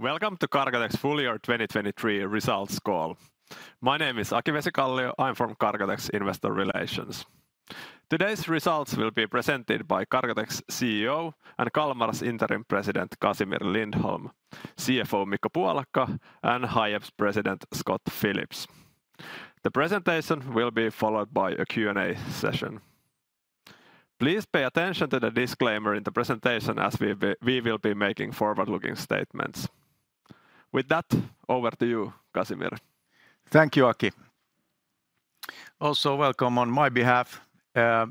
Welcome to Cargotec's full year 2023 results call. My name is Aki Vesikallio. I'm from Cargotec's Investor Relations. Today's results will be presented by Cargotec's CEO and Kalmar's Interim President, Casimir Lindholm, CFO Mikko Puolakka, and Hiab's President, Scott Phillips. The presentation will be followed by a Q and A session. Please pay attention to the disclaimer in the presentation, as we will be making forward-looking statements. With that, over to you, Casimir. Thank you, Aki. Also, welcome on my behalf. It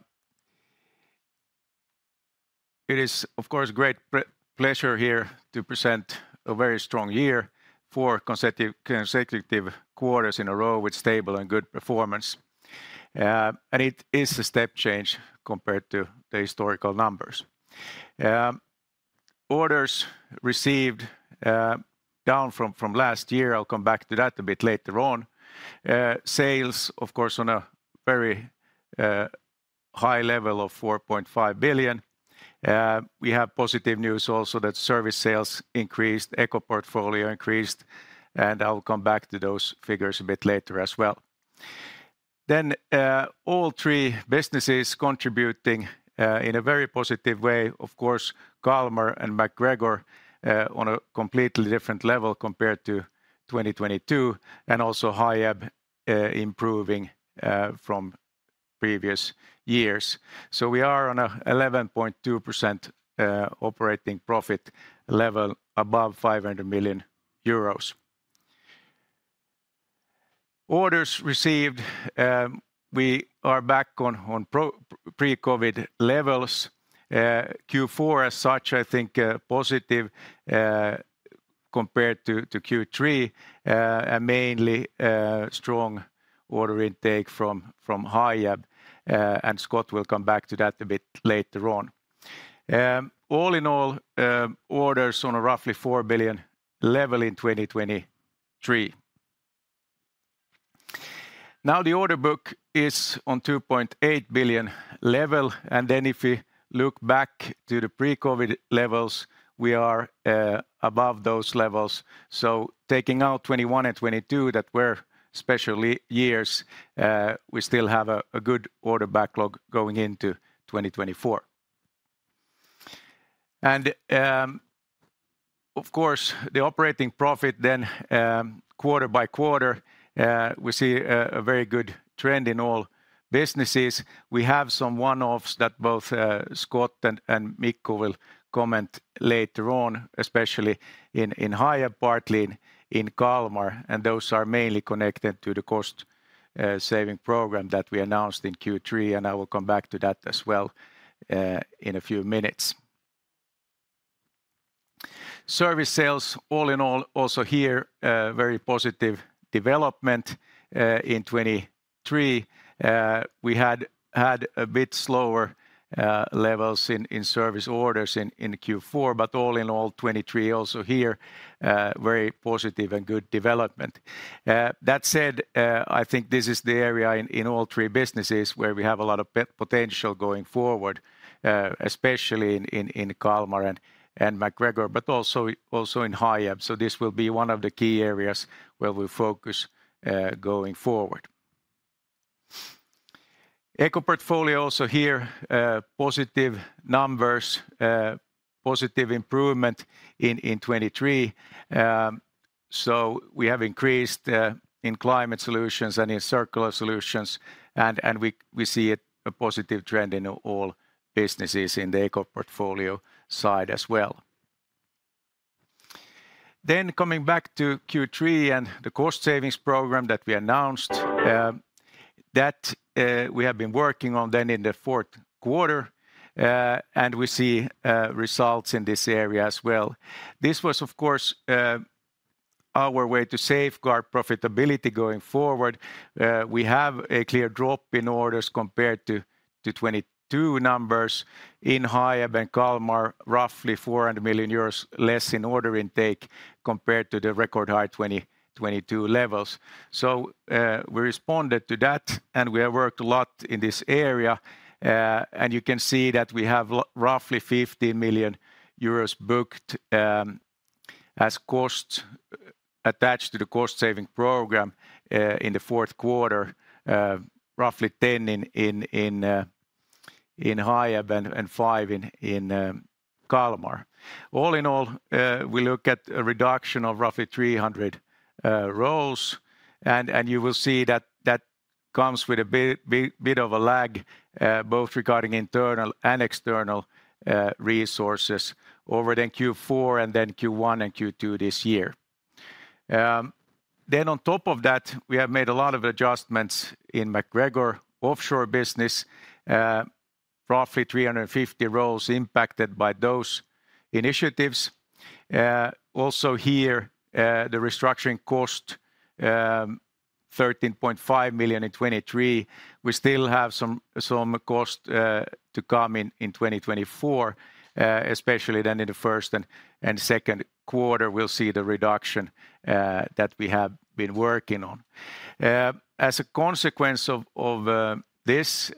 is, of course, a great pleasure here to present a very strong year, four consecutive quarters in a row with stable and good performance. And it is a step change compared to the historical numbers. Orders received, down from last year. I'll come back to that a bit later on. Sales, of course, on a very high level of 4.5 billion. We have positive news also that service sales increased, Eco portfolio increased, and I will come back to those figures a bit later as well. Then, all three businesses contributing in a very positive way. Of course, Kalmar and MacGregor on a completely different level compared to 2022, and also Hiab improving from previous years. So we are on a 11.2% operating profit level above EUR 500 million. Orders received, we are back on pre-COVID levels. Q4 as such, I think, positive, compared to Q3, and mainly, strong order intake from Hiab, and Scott will come back to that a bit later on. All in all, orders on a roughly 4 billion level in 2023. Now, the order book is on 2.8 billion level, and then if we look back to the pre-COVID levels, we are above those levels. So taking out 2021 and 2022, that were special years, we still have a good order backlog going into 2024. Of course, the operating profit then, quarter by quarter, we see a very good trend in all businesses. We have some one-offs that both Scott and Mikko will comment later on, especially in Hiab, partly in Kalmar, and those are mainly connected to the cost saving program that we announced in Q3, and I will come back to that as well, in a few minutes. Service sales, all in all, also here, a very positive development. In 2023, we had a bit slower levels in service orders in Q4, but all in all, 2023 also here, very positive and good development. That said, I think this is the area in all three businesses where we have a lot of potential going forward, especially in Kalmar and MacGregor, but also in Hiab. So this will be one of the key areas where we focus going forward. Eco portfolio, also here, positive numbers, positive improvement in 2023. So we have increased in climate solutions and in circular solutions, and we see a positive trend in all businesses in the eco portfolio side as well. Then coming back to Q3 and the cost savings program that we announced, that we have been working on then in the fourth quarter, and we see results in this area as well. This was, of course, our way to safeguard profitability going forward. We have a clear drop in orders compared to 2022 numbers in Hiab and Kalmar, roughly 400 million euros less in order intake compared to the record high 2022 levels. So, we responded to that, and we have worked a lot in this area. And you can see that we have roughly 50 million euros booked as costs attached to the cost saving program in the fourth quarter, roughly 10 million in Hiab and 5 million in Kalmar. All in all, we look at a reduction of roughly 300 roles, and you will see that that comes with a bit of a lag both regarding internal and external resources over the Q4 and then Q1 and Q2 this year. Then on top of that, we have made a lot of adjustments in MacGregor offshore business. Roughly 350 roles impacted by those initiatives. Also here, the restructuring cost, 13.5 million in 2023. We still have some cost to come in in 2024, especially then in the first and second quarter, we'll see the reduction that we have been working on. As a consequence of this,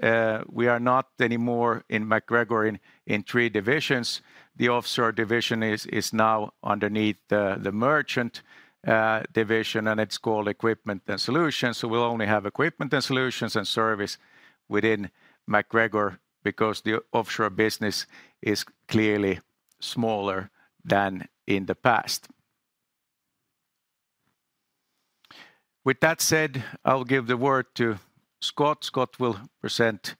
we are not anymore in MacGregor in three divisions. The offshore division is now underneath the merchant division, and it's called Equipment and Solutions. So we'll only have Equipment and Solutions and Service within MacGregor because the offshore business is clearly smaller than in the past. With that said, I'll give the word to Scott. Scott will present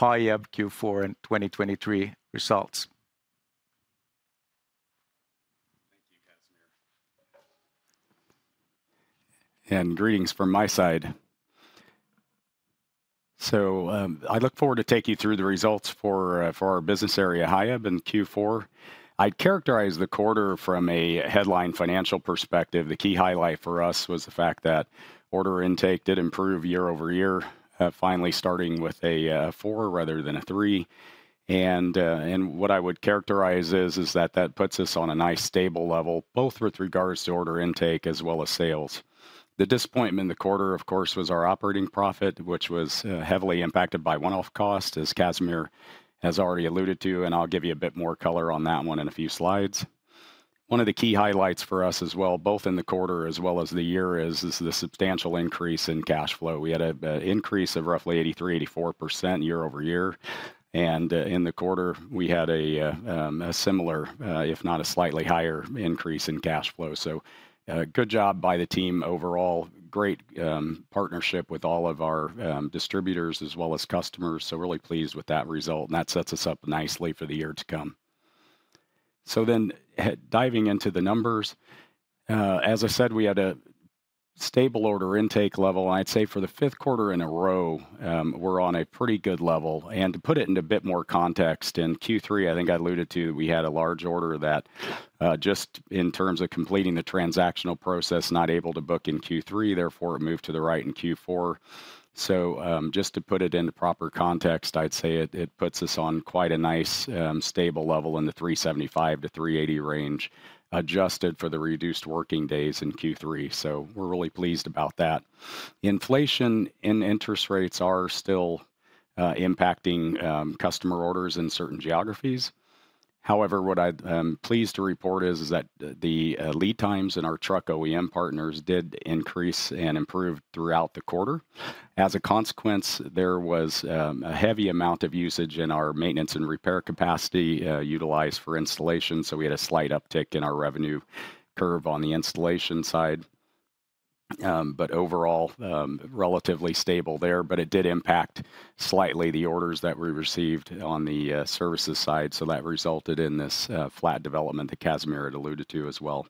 Hiab Q4 and 2023 results. Thank you, Casimir. And greetings from my side. So, I look forward to take you through the results for, for our business area, Hiab, in Q4. I'd characterize the quarter from a headline financial perspective. The key highlight for us was the fact that order intake did improve year-over-year, finally starting with a four rather than a three. And what I would characterize is that that puts us on a nice, stable level, both with regards to order intake as well as sales. The disappointment in the quarter, of course, was our operating profit, which was heavily impacted by one-off cost, as Casimir has already alluded to, and I'll give you a bit more color on that one in a few slides. One of the key highlights for us as well, both in the quarter as well as the year, is the substantial increase in cash flow. We had an increase of roughly 83%-84% year-over-year, and in the quarter, we had a similar, if not a slightly higher increase in cash flow. So, good job by the team overall. Great partnership with all of our distributors as well as customers, so really pleased with that result, and that sets us up nicely for the year to come. So then, diving into the numbers, as I said, we had a stable order intake level. I'd say for the fifth quarter in a row, we're on a pretty good level. To put it in a bit more context, in Q3, I think I alluded to, we had a large order that just in terms of completing the transactional process, not able to book in Q3, therefore it moved to the right in Q4. So, just to put it in the proper context, I'd say it, it puts us on quite a nice, stable level in the 375-380 range, adjusted for the reduced working days in Q3. So we're really pleased about that. Inflation and interest rates are still impacting customer orders in certain geographies. However, what I'm pleased to report is, is that the lead times in our truck OEM partners did increase and improve throughout the quarter. As a consequence, there was a heavy amount of usage in our maintenance and repair capacity utilized for installation, so we had a slight uptick in our revenue curve on the installation side. But overall, relatively stable there. But it did impact slightly the orders that we received on the services side, so that resulted in this flat development that Casimir had alluded to as well.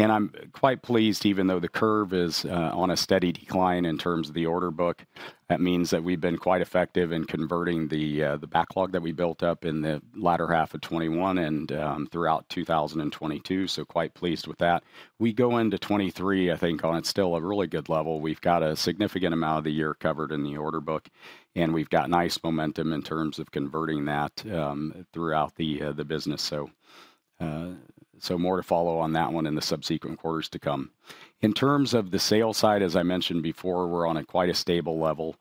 And I'm quite pleased, even though the curve is on a steady decline in terms of the order book, that means that we've been quite effective in converting the backlog that we built up in the latter half of 2021 and throughout 2022, so quite pleased with that. We go into 2023, I think, on. It's still a really good level. We've got a significant amount of the year covered in the order book, and we've got nice momentum in terms of converting that, throughout the business. So, more to follow on that one in the subsequent quarters to come. In terms of the sales side, as I mentioned before, we're on quite a stable level.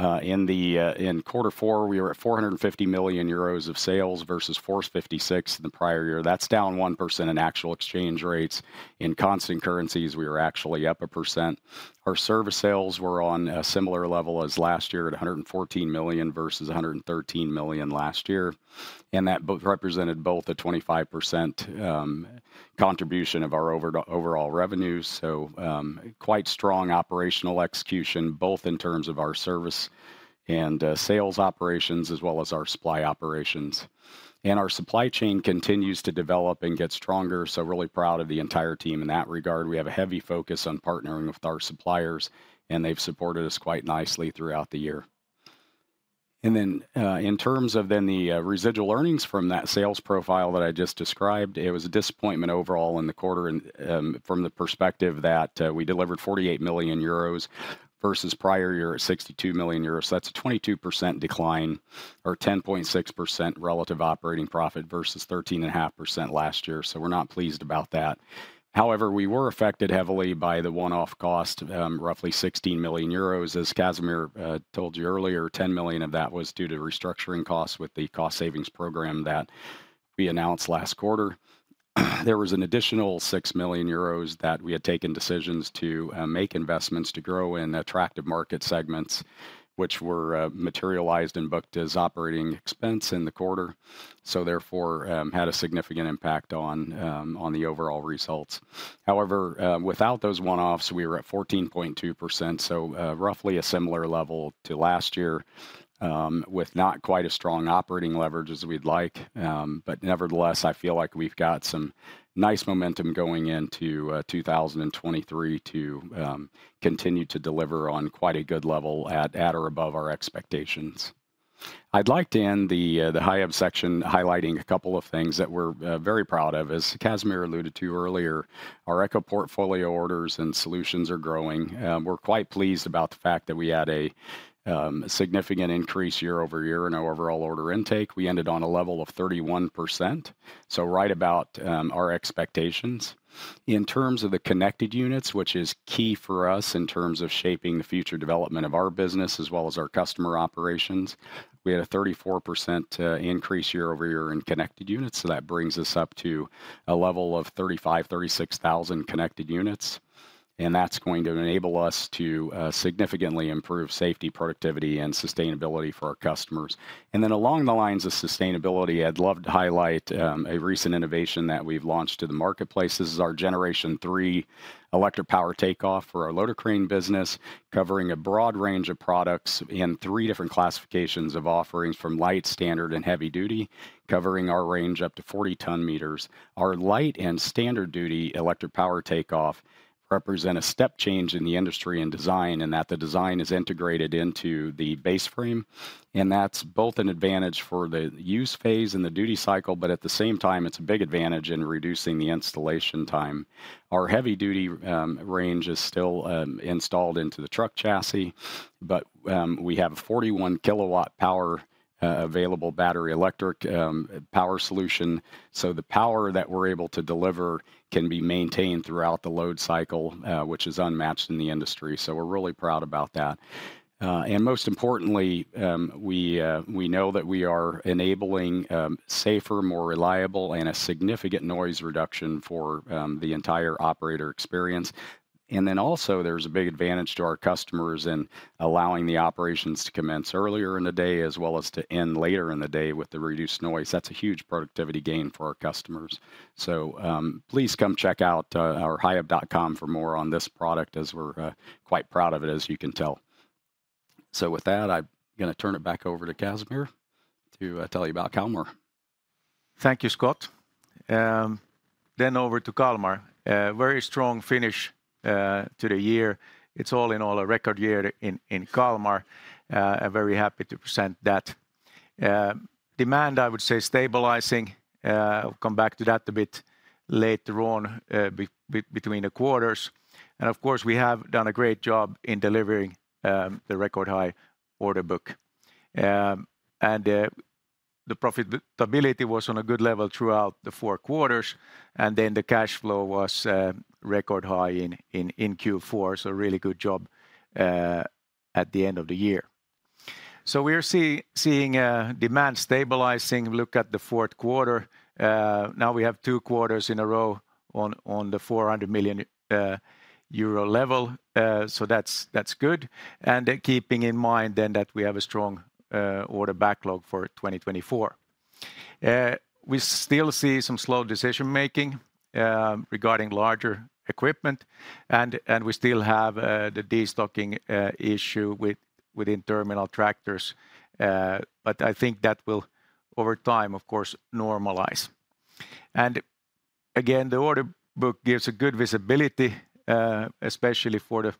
In quarter four, we were at 450 million euros of sales versus 456 million the prior year. That's down 1% in actual exchange rates. In constant currencies, we were actually up 1%. Our service sales were on a similar level as last year, at 114 million versus 113 million last year, and that represented a 25% contribution of our overall revenues. So, quite strong operational execution, both in terms of our service and, sales operations, as well as our supply operations. And our supply chain continues to develop and get stronger, so really proud of the entire team in that regard. We have a heavy focus on partnering with our suppliers, and they've supported us quite nicely throughout the year. And then, in terms of then the, residual earnings from that sales profile that I just described, it was a disappointment overall in the quarter and, from the perspective that, we delivered 48 million euros versus prior year, at 62 million euros. That's a 22% decline, or 10.6% relative operating profit versus 13.5% last year. So we're not pleased about that. However, we were affected heavily by the one-off cost of, roughly 16 million euros. As Casimir told you earlier, 10 million of that was due to restructuring costs with the cost savings program that we announced last quarter. There was an additional 6 million euros that we had taken decisions to make investments to grow in attractive market segments, which were materialized and booked as operating expense in the quarter, so therefore had a significant impact on on the overall results. However, without those one-offs, we were at 14.2%, so roughly a similar level to last year, with not quite a strong operating leverage as we'd like, but nevertheless, I feel like we've got some nice momentum going into 2023 to continue to deliver on quite a good level at, at, or above our expectations. I'd like to end the Hiab section highlighting a couple of things that we're very proud of. As Casimir alluded to earlier, our Eco portfolio orders and solutions are growing. We're quite pleased about the fact that we had a significant increase year-over-year in our overall order intake. We ended on a level of 31%, so right about our expectations. In terms of the connected units, which is key for us in terms of shaping the future development of our business as well as our customer operations, we had a 34% increase year-over-year in connected units, so that brings us up to a level of 35,000-36,000 connected units. And that's going to enable us to significantly improve safety, productivity, and sustainability for our customers. Along the lines of sustainability, I'd love to highlight a recent innovation that we've launched to the marketplace. This is our Generation III electric power take-off for our loader crane business, covering a broad range of products in three different classifications of offerings, from light, standard, and heavy duty, covering our range up to 40 ton meters. Our light and standard duty electric power take-off represent a step change in the industry and design, in that the design is integrated into the base frame, and that's both an advantage for the use phase and the duty cycle, but at the same time, it's a big advantage in reducing the installation time. Our heavy duty range is still installed into the truck chassis, but we have a 41-kilowatt power available battery electric power solution, so the power that we're able to deliver can be maintained throughout the load cycle, which is unmatched in the industry, so we're really proud about that. And most importantly, we know that we are enabling safer, more reliable, and a significant noise reduction for the entire operator experience. And then also, there's a big advantage to our customers in allowing the operations to commence earlier in the day, as well as to end later in the day with the reduced noise. That's a huge productivity gain for our customers. So please come check out our Hiab.com for more on this product, as we're quite proud of it, as you can tell. With that, I'm gonna turn it back over to Casimir to tell you about Kalmar. Thank you, Scott. Then over to Kalmar. A very strong finish to the year. It's all in all, a record year in Kalmar. I'm very happy to present that. Demand, I would say, stabilizing. I'll come back to that a bit later on between the quarters. And of course, we have done a great job in delivering the record high order book. And the profitability was on a good level throughout the four quarters, and then the cash flow was record high in Q4, so a really good job at the end of the year. So we are seeing demand stabilizing. Look at the fourth quarter. Now we have two quarters in a row on the 400 million euro level, so that's good. Then keeping in mind that we have a strong order backlog for 2024. We still see some slow decision-making regarding larger equipment, and we still have the destocking issue within terminal tractors, but I think that will, over time, of course, normalize. And again, the order book gives a good visibility, especially for the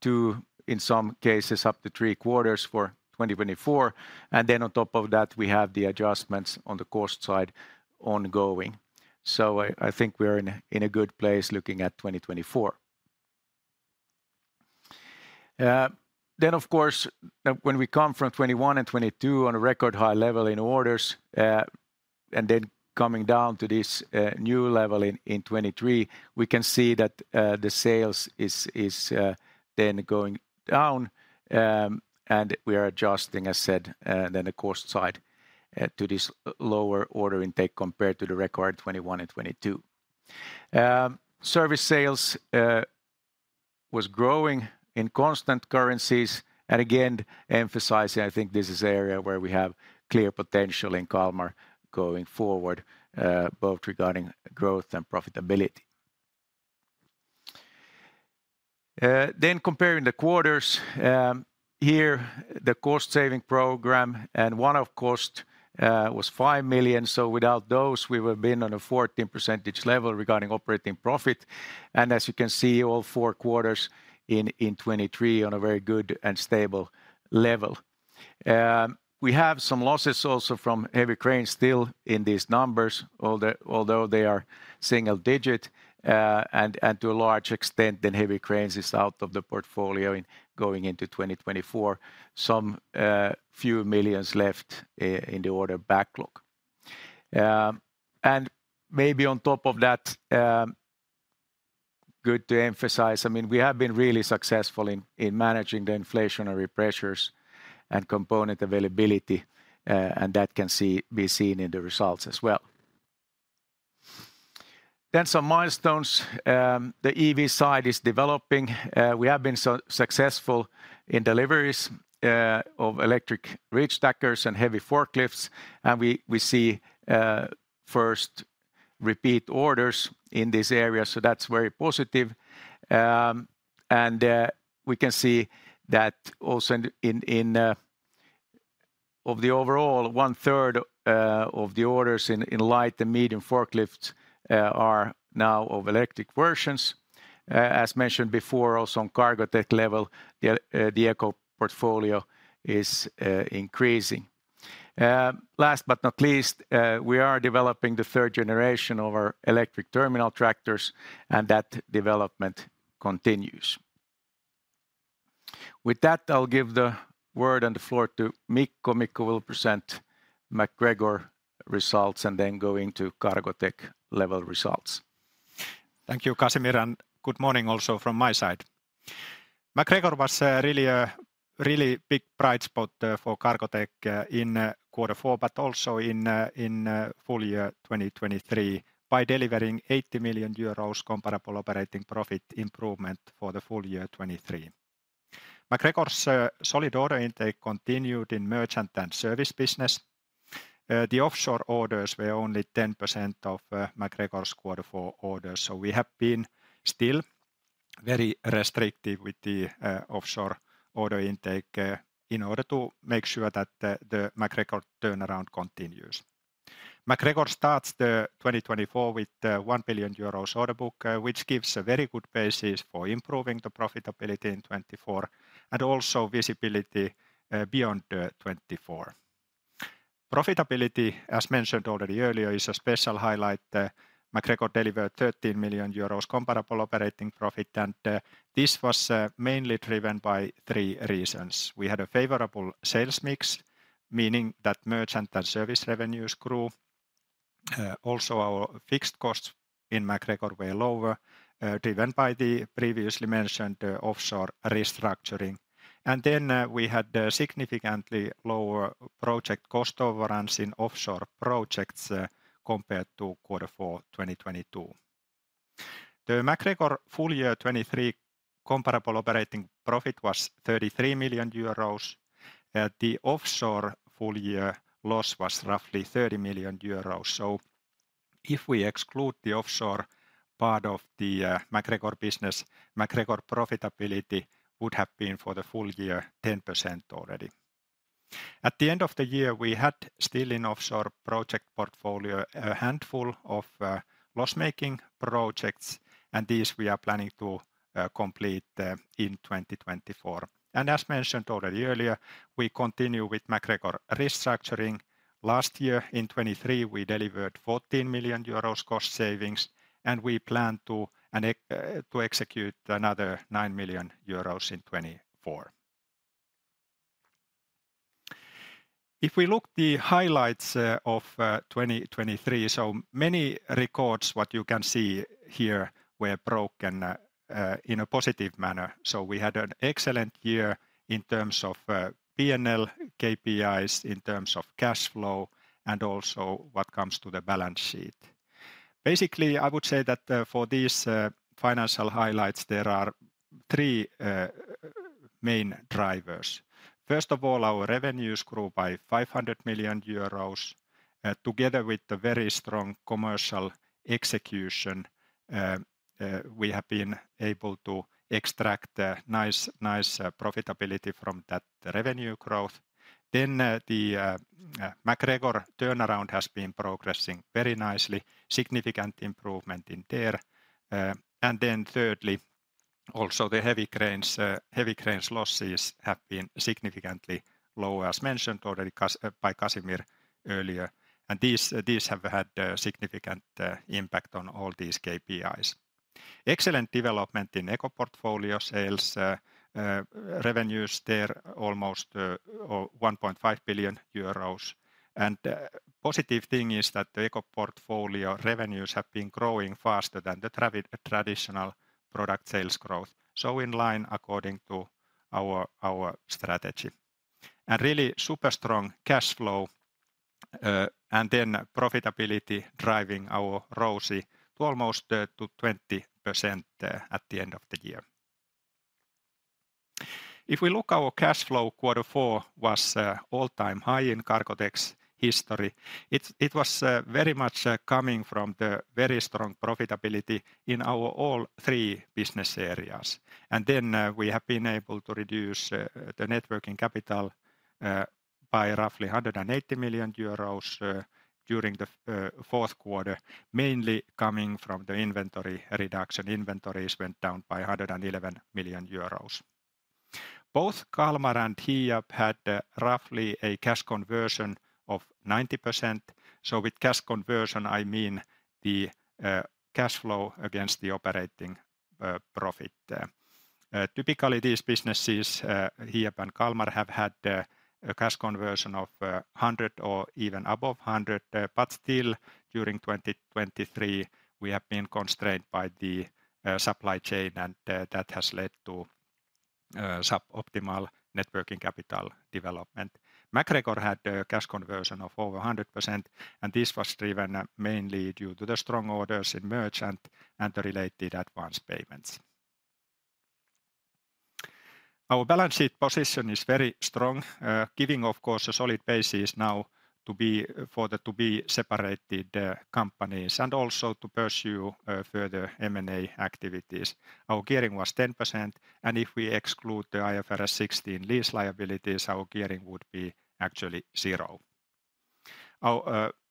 two, in some cases, up to three quarters for 2024. And then on top of that, we have the adjustments on the cost side ongoing. So I think we're in a good place looking at 2024. Then, of course, when we come from 2021 and 2022 on a record high level in orders, and then coming down to this new level in 2023, we can see that the sales is then going down, and we are adjusting, as I said, then the cost side to this lower order intake compared to the record 2021 and 2022. Service sales was growing in constant currencies. And again, emphasizing, I think this is an area where we have clear potential in Kalmar going forward, both regarding growth and profitability. Then comparing the quarters, here, the cost-saving program and one-off cost was 5 million. So without those, we would have been on a 14% level regarding operating profit. As you can see, all four quarters in 2023 on a very good and stable level. We have some losses also from heavy cranes still in these numbers, although they are single digit, and to a large extent, then heavy cranes is out of the portfolio in going into 2024. Some few million EUR left in the order backlog. And maybe on top of that, good to emphasize, I mean, we have been really successful in managing the inflationary pressures and component availability, and that can be seen in the results as well. Some milestones. The EV side is developing. We have been successful in deliveries of electric reachstackers and heavy forklifts, and we see first repeat orders in this area, so that's very positive. And we can see that also in of the overall, 1/3 of the orders in light and medium forklifts are now of electric versions. As mentioned before, also on Cargotec level, the Eco portfolio is increasing. Last but not least, we are developing the third generation of our electric terminal tractors, and that development continues. With that, I'll give the word and the floor to Mikko. Mikko will present MacGregor results and then go into Cargotec level results. Thank you, Casimir, and good morning also from my side. MacGregor was really a really big bright spot for Cargotec in quarter four, but also in full year 2023, by delivering 80 million euros comparable operating profit improvement for the full year 2023. MacGregor's solid order intake continued in merchant and service business. The offshore orders were only 10% of MacGregor's quarter four orders, so we have been still very restrictive with the offshore order intake in order to make sure that the MacGregor turnaround continues. MacGregor starts the 2024 with 1 billion euros order book, which gives a very good basis for improving the profitability in 2024, and also visibility beyond 2024. Profitability, as mentioned already earlier, is a special highlight. MacGregor delivered 13 million euros comparable operating profit, and this was mainly driven by three reasons. We had a favorable sales mix, meaning that merchant and service revenues grew. Also, our fixed costs in MacGregor were lower, driven by the previously mentioned offshore restructuring. And then, we had a significantly lower project cost overruns in offshore projects, compared to quarter four, 2022. The MacGregor full year 2023 comparable operating profit was 33 million euros. The offshore full year loss was roughly 30 million euros. So if we exclude the offshore part of the MacGregor business, MacGregor profitability would have been, for the full year, 10% already. At the end of the year, we had still in offshore project portfolio, a handful of loss-making projects, and these we are planning to complete in 2024. As mentioned already earlier, we continue with MacGregor restructuring. Last year, in 2023, we delivered 14 million euros cost savings, and we plan to execute another 9 million euros in 2024. If we look the highlights of 2023, so many records, what you can see here, were broken in a positive manner. So we had an excellent year in terms of PNL, KPIs, in terms of cash flow, and also what comes to the balance sheet. Basically, I would say that for these financial highlights, there are three main drivers. First of all, our revenues grew by 500 million euros, together with the very strong commercial execution, we have been able to extract a nice profitability from that revenue growth. Then, the MacGregor turnaround has been progressing very nicely, significant improvement in there. And then thirdly, also the heavy cranes, heavy cranes losses have been significantly low, as mentioned already by Casimir earlier, and these have had a significant impact on all these KPIs. Excellent development in Eco portfolio sales, revenues. They're almost, or 1.5 billion euros. And the positive thing is that the Eco portfolio revenues have been growing faster than the traditional product sales growth. So in line according to our strategy. And really super strong cash flow, and then profitability driving our ROCE to almost to 20%, at the end of the year. If we look our cash flow, quarter four was all-time high in Cargotec's history. It was very much coming from the very strong profitability in our all three business areas. And then we have been able to reduce the net working capital by roughly 180 million euros during the fourth quarter, mainly coming from the inventory reduction. Inventories went down by 111 million euros. Both Kalmar and Hiab had roughly a cash conversion of 90%. So with cash conversion, I mean the cash flow against the operating profit there. Typically, these businesses, Hiab and Kalmar, have had a cash conversion of 100 or even above 100, but still, during 2023, we have been constrained by the supply chain, and that has led to suboptimal net working capital development. MacGregor had a cash conversion of over 100%, and this was driven mainly due to the strong orders in merchant and the related advanced payments. Our balance sheet position is very strong, giving, of course, a solid basis now to be for the to-be-separated companies and also to pursue further M&A activities. Our gearing was 10%, and if we exclude the IFRS 16 lease liabilities, our gearing would be actually zero.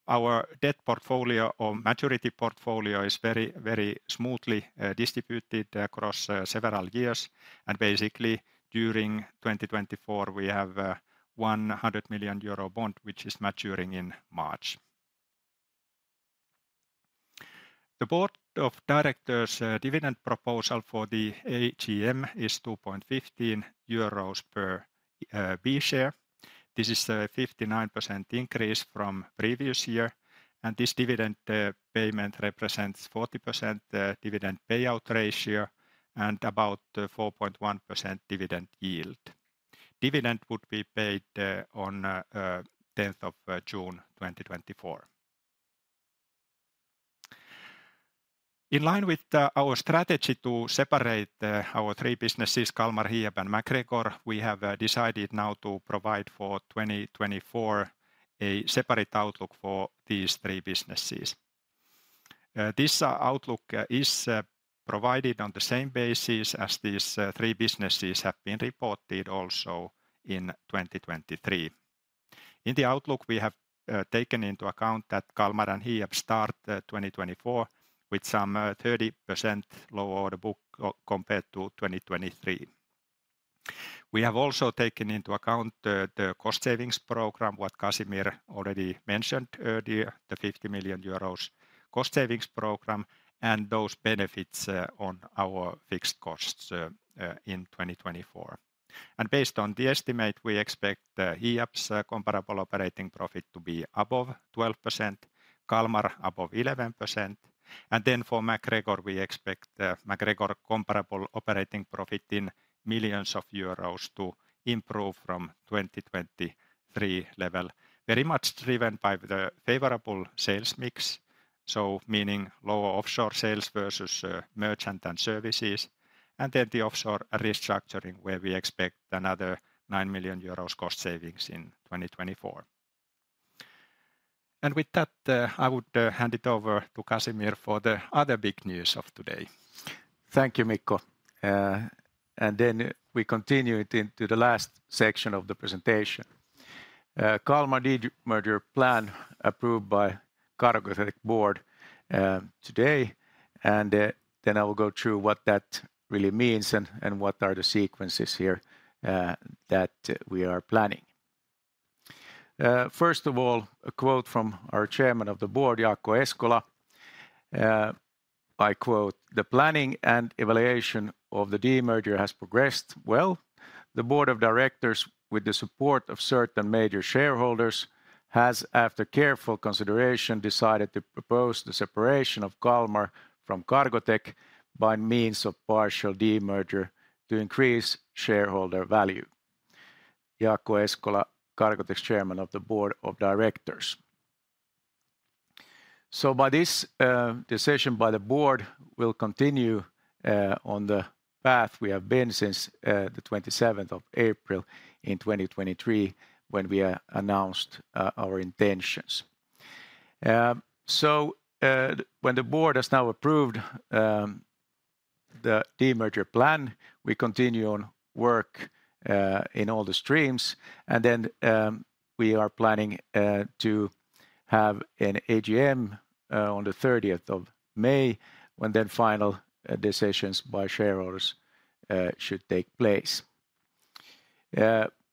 Our debt portfolio or maturity portfolio is very, very smoothly distributed across several years. And basically, during 2024, we have a 100 million euro bond, which is maturing in March. The board of directors' dividend proposal for the AGM is 2.15 euros per B share. This is a 59% increase from previous year, and this dividend payment represents 40% dividend payout ratio and about 4.1% dividend yield. Dividend would be paid on 10th of June 2024. In line with our strategy to separate our three businesses, Kalmar, Hiab, and MacGregor, we have decided now to provide for 2024 a separate outlook for these three businesses. This outlook is provided on the same basis as these three businesses have been reported also in 2023. In the outlook, we have taken into account that Kalmar and Hiab start 2024 with some 30% lower order book compared to 2023. We have also taken into account the cost savings program, what Casimir already mentioned earlier, the 50 million euros cost savings program, and those benefits on our fixed costs in 2024. And based on the estimate, we expect Hiab's comparable operating profit to be above 12%, Kalmar above 11%, and then for MacGregor, we expect MacGregor comparable operating profit in millions of euros to improve from 2023 level. Very much driven by the favorable sales mix, so meaning lower offshore sales versus merchant and services, and then the offshore restructuring, where we expect another 9 million euros cost savings in 2024. And with that, I would hand it over to Casimir for the other big news of today. Thank you, Mikko. And then we continue it into the last section of the presentation. Kalmar demerger plan approved by Cargotec board today, and then I will go through what that really means and what are the sequences here that we are planning. First of all, a quote from our Chairman of the Board, Jaakko Eskola. I quote, "The planning and evaluation of the demerger has progressed well. The board of directors, with the support of certain major shareholders, has, after careful consideration, decided to propose the separation of Kalmar from Cargotec by means of partial demerger to increase shareholder value." Jaakko Eskola, Cargotec's Chairman of the Board of Directors. So by this decision by the board, we'll continue on the path we have been since the 27th of April in 2023, when we announced our intentions. So when the board has now approved the demerger plan, we continue on work in all the streams, and then we are planning to have an AGM on the 30th of May, when then final decisions by shareholders should take place.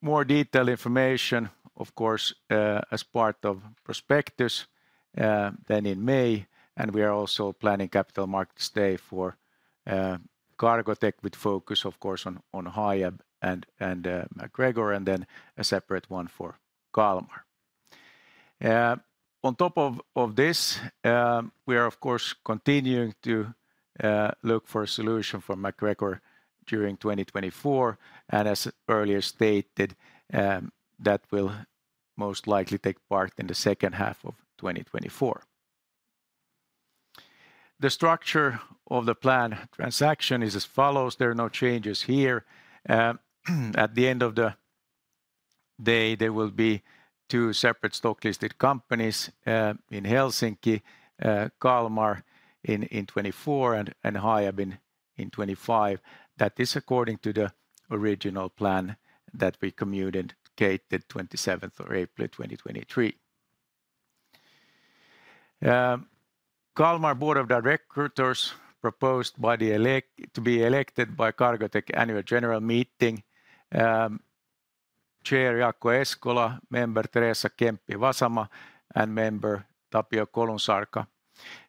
More detailed information, of course, as part of prospectus then in May, and we are also planning Capital Markets Day for Cargotec, with focus, of course, on Hiab and MacGregor, and then a separate one for Kalmar. On top of this, we are, of course, continuing to look for a solution for MacGregor during 2024, and as earlier stated, that will most likely take part in the second half of 2024. The structure of the plan transaction is as follows. There are no changes here. At the end of the day, there will be two separate stock-listed companies in Helsinki, Kalmar in 2024 and Hiab in 2025. That is according to the original plan that we communicated 27th of April, 2023. Kalmar board of directors proposed to be elected by Cargotec Annual General Meeting, Chair Jaakko Eskola, Member Teresa Kemppi-Vasama, and Member Tapio Kolunsarka.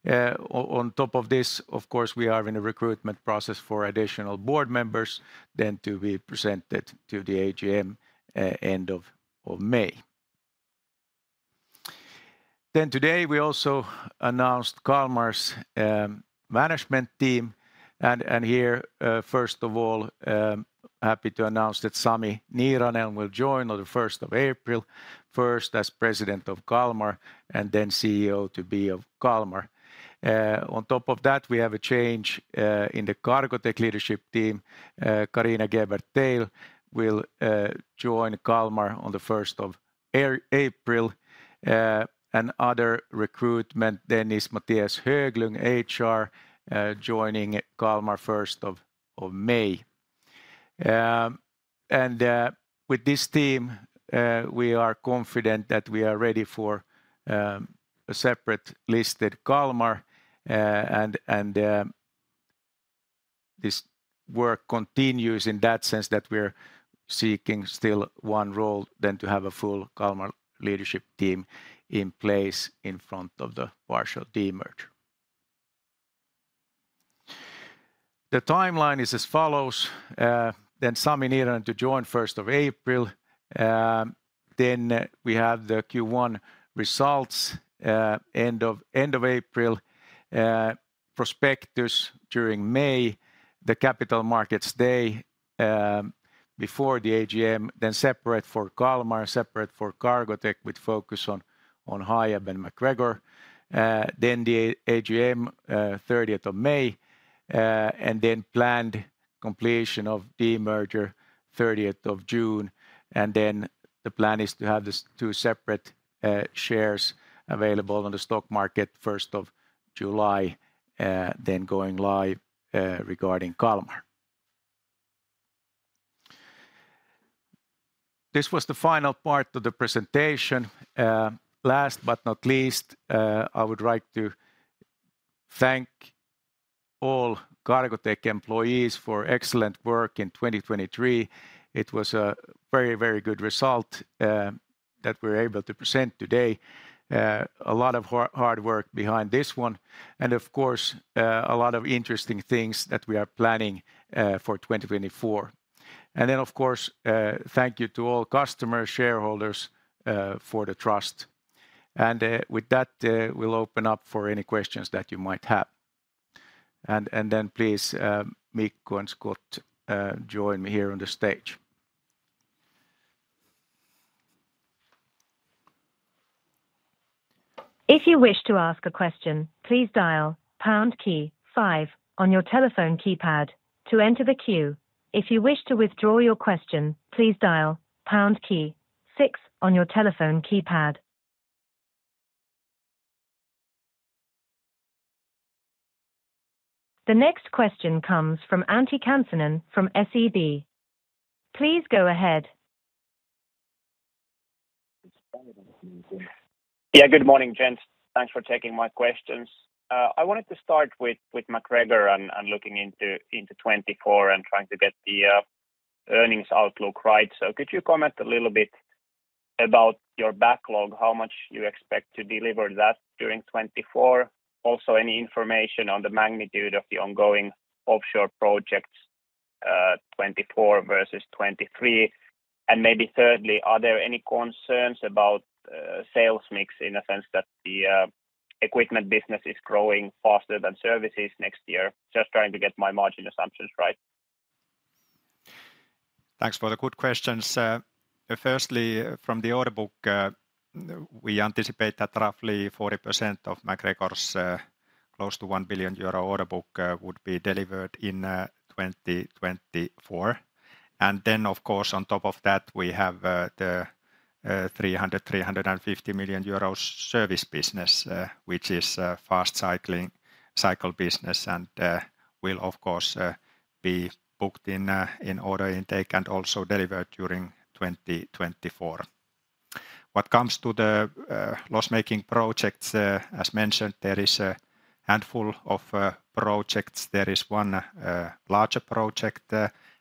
On top of this, of course, we are in a recruitment process for additional board members, then to be presented to the AGM end of May. Then today, we also announced Kalmar's management team, and here, first of all, happy to announce that Sami Niiranen will join on the first of April, first as President of Kalmar, and then CEO to be of Kalmar. On top of that, we have a change in the Cargotec leadership team. Carina Geber-Teir will join Kalmar on the first of April. And other recruitment, then Mathias Höglund, HR, joining Kalmar first of May. And with this team, we are confident that we are ready for a separate listed Kalmar. And this work continues in that sense, that we're seeking still one role then to have a full Kalmar leadership team in place in front of the partial demerger. The timeline is as follows: then Sami Niiranen to join 1st of April. Then we have the Q1 results, end of April. Prospectus during May, the Capital Markets Day, before the AGM. Then separate for Kalmar, separate for Cargotec, with focus on Hiab and MacGregor. Then the AGM, 30th of May, and then planned completion of demerger 30th of June. And then the plan is to have these two separate shares available on the stock market 1st of July, then going live regarding Kalmar. This was the final part of the presentation. Last but not least, I would like to thank all Cargotec employees for excellent work in 2023. It was a very, very good result that we're able to present today. A lot of hard work behind this one and, of course, a lot of interesting things that we are planning for 2024. Then, of course, thank you to all customers, shareholders for the trust. With that, we'll open up for any questions that you might have. Then please, Mikko and Scott, join me here on the stage. If you wish to ask a question, please dial pound key five on your telephone keypad to enter the queue. If you wish to withdraw your question, please dial pound key six on your telephone keypad. The next question comes from Antti Kansanen from SEB. Please go ahead. Yeah, good morning, gents. Thanks for taking my questions. I wanted to start with MacGregor and looking into 2024 and trying to get the earnings outlook right. So could you comment a little bit about your backlog? How much you expect to deliver that during 2024? Also, any information on the magnitude of the ongoing offshore projects, 2024 versus 2023? And maybe thirdly, are there any concerns about sales mix in a sense that the equipment business is growing faster than services next year? Just trying to get my margin assumptions right. Thanks for the good questions. Firstly, from the order book, we anticipate that roughly 40% of MacGregor's close to 1 billion euro order book would be delivered in 2024. And then, of course, on top of that, we have the 350 million euros service business, which is a fast cycling business, and will, of course, be booked in order intake and also delivered during 2024. What comes to the loss-making projects, as mentioned, there is a handful of projects. There is one larger project,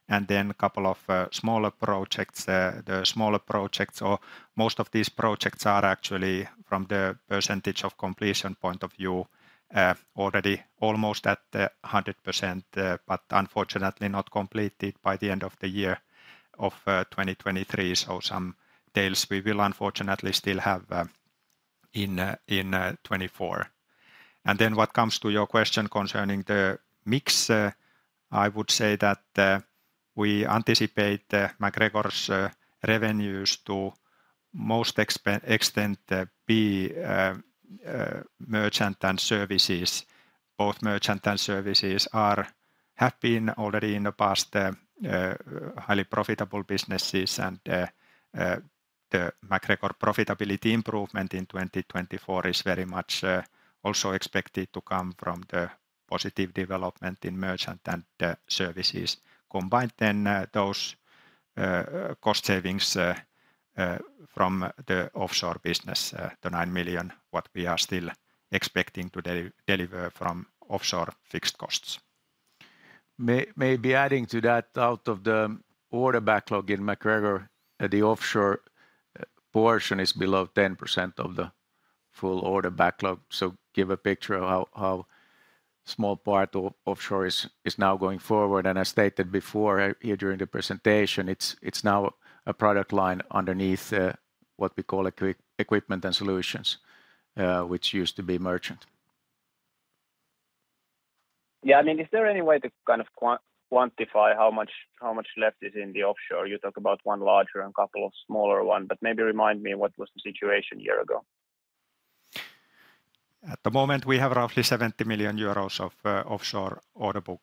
and then a couple of smaller projects. The smaller projects, or most of these projects are actually, from the percentage of completion point of view, already almost at 100%, but unfortunately, not completed by the end of the year of 2023. So some deals we will unfortunately still have in 2024. And then what comes to your question concerning the mix, I would say that we anticipate MacGregor's revenues to most extent be merchant and services. Both merchant and services have been already in the past highly profitable businesses. And the MacGregor profitability improvement in 2024 is very much also expected to come from the positive development in merchant and the services. Combined, then, those cost savings from the offshore business, the 9 million, what we are still expecting to deliver from offshore fixed costs. Maybe adding to that, out of the order backlog in MacGregor, the offshore portion is below 10% of the full order backlog. So give a picture of how small part of offshore is now going forward. And I stated before, during the presentation, it's now a product line underneath what we call equipment and solutions, which used to be merchant. Yeah. I mean, is there any way to kind of quantify how much, how much left is in the offshore? You talk about one larger and couple of smaller one, but maybe remind me what was the situation a year ago. At the moment, we have roughly 70 million euros of offshore order book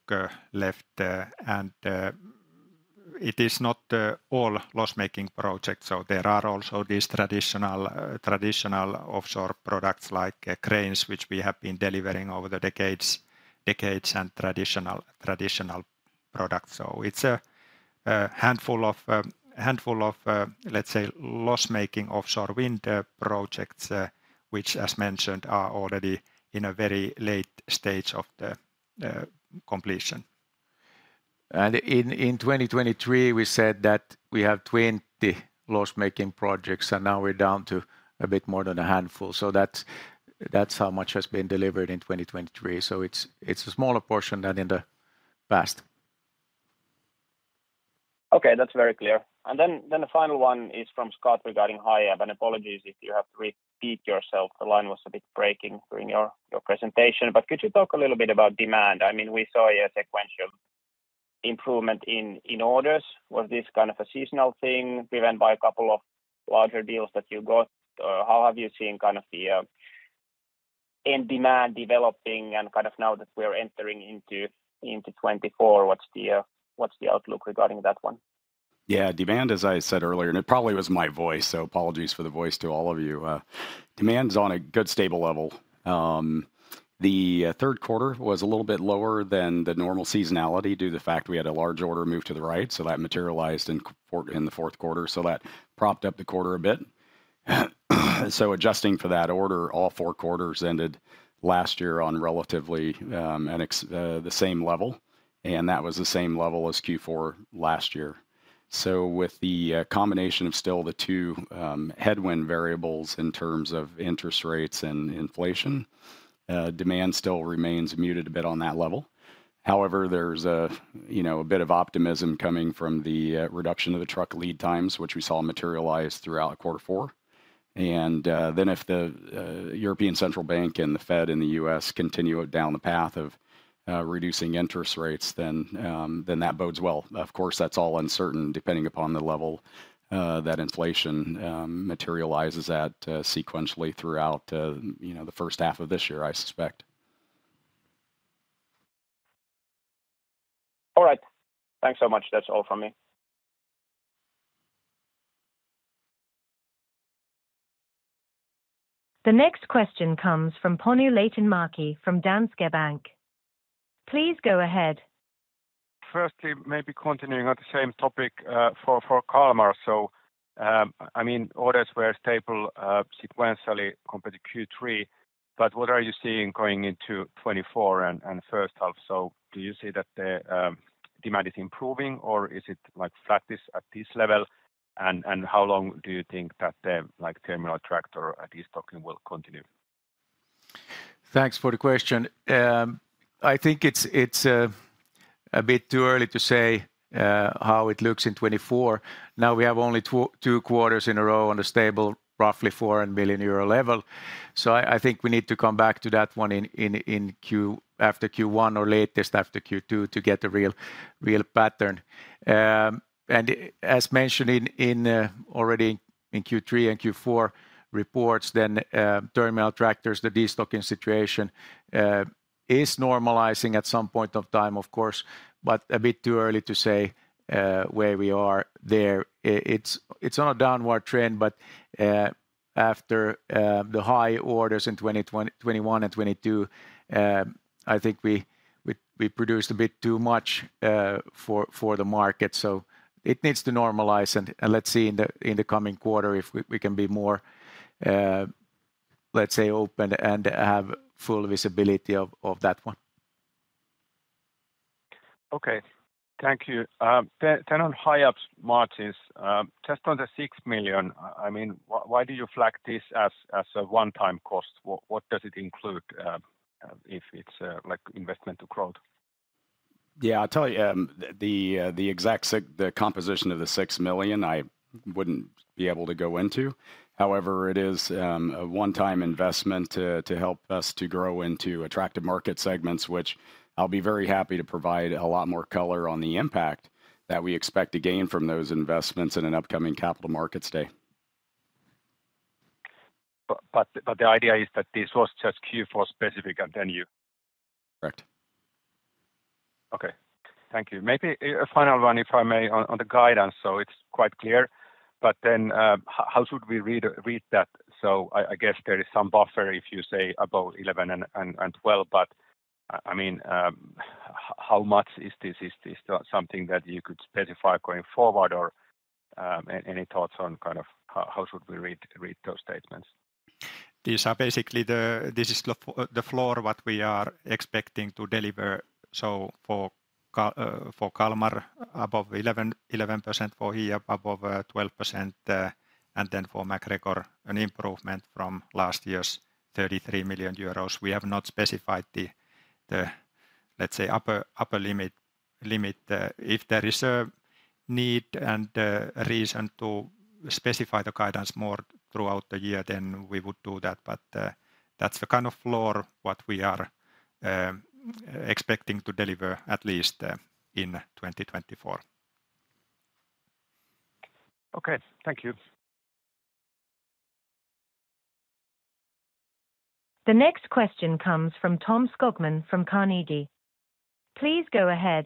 left, and it is not all loss-making projects. So there are also these traditional offshore products like cranes, which we have been delivering over the decades and traditional product. So it's a handful of, let's say, loss-making offshore wind projects, which as mentioned, are already in a very late stage of the completion. And in 2023, we said that we have 20 loss-making projects, and now we're down to a bit more than a handful. So that's how much has been delivered in 2023. So it's a smaller portion than in the past. Okay, that's very clear. And then the final one is from Scott regarding Hiab, and apologies if you have to repeat yourself. The line was a bit breaking during your presentation. But could you talk a little bit about demand? I mean, we saw a sequential improvement in orders. Was this kind of a seasonal thing? We went by a couple of larger deals that you got, or how have you seen kind of the end demand developing and kind of now that we're entering into 2024, what's the outlook regarding that one? Yeah. Demand, as I said earlier, and it probably was my voice, so apologies for the voice to all of you. Demand's on a good, stable level. The third quarter was a little bit lower than the normal seasonality, due to the fact we had a large order move to the right, so that materialized in the fourth quarter, so that propped up the quarter a bit. So adjusting for that order, all four quarters ended last year on relatively the same level, and that was the same level as Q4 last year. So with the combination of still the two headwind variables in terms of interest rates and inflation, demand still remains muted a bit on that level. However, there's you know a bit of optimism coming from the reduction of the truck lead times, which we saw materialize throughout quarter four. And then if the European Central Bank and the Fed in the U.S. continue down the path of reducing interest rates, then that bodes well. Of course, that's all uncertain, depending upon the level that inflation materializes at sequentially throughout you know the first half of this year, I suspect. All right. Thanks so much. That's all from me. The next question comes from Panu Laitinmäki, from Danske Bank. Please go ahead. Firstly, maybe continuing on the same topic, for Kalmar. So, I mean, orders were stable, sequentially compared to Q3, but what are you seeing going into 2024 and first half? So do you see that the demand is improving, or is it like flattish at this level? And how long do you think that the like terminal tractor, at least talking, will continue? Thanks for the question. I think it's a bit too early to say how it looks in 2024. Now, we have only two quarters in a row on a stable, roughly 4 billion euro level. So I think we need to come back to that one in Q, after Q1 or latest, after Q2, to get a real pattern. And as mentioned already in Q3 and Q4 reports, then terminal tractors, the destocking situation is normalizing at some point of time, of course, but a bit too early to say where we are there. It's on a downward trend, but after the high orders in 2021 and 2022, I think we produced a bit too much for the market, so it needs to normalize. And let's see in the coming quarter if we can be more, let's say, open and have full visibility of that one. Okay. Thank you. Then on Hiab's margins, just on the 6 million, I mean, why do you flag this as a one-time cost? What does it include, if it's like investment to growth? Yeah, I'll tell you, the exact composition of the 6 million, I wouldn't be able to go into. However, it is a one-time investment to help us to grow into attractive market segments, which I'll be very happy to provide a lot more color on the impact that we expect to gain from those investments in an upcoming Capital Markets Day. But the idea is that this was just Q4 specific and then you? Correct. Okay. Thank you. Maybe a final one, if I may, on the guidance, so it's quite clear, but then, how should we read that? So I guess there is some buffer, if you say, above 11 and 12, but I mean, how much is this? Is this something that you could specify going forward, or any thoughts on kind of how should we read those statements? This is the floor what we are expecting to deliver, so for Kalmar, above 11%, for Hiab, above 12%, and then for MacGregor, an improvement from last year's 33 million euros. We have not specified the upper limit. If there is a need and a reason to specify the guidance more throughout the year, then we would do that, but that's the kind of floor what we are expecting to deliver at least in 2024. Okay. Thank you. The next question comes from Tom Skogman, from Carnegie. Please go ahead.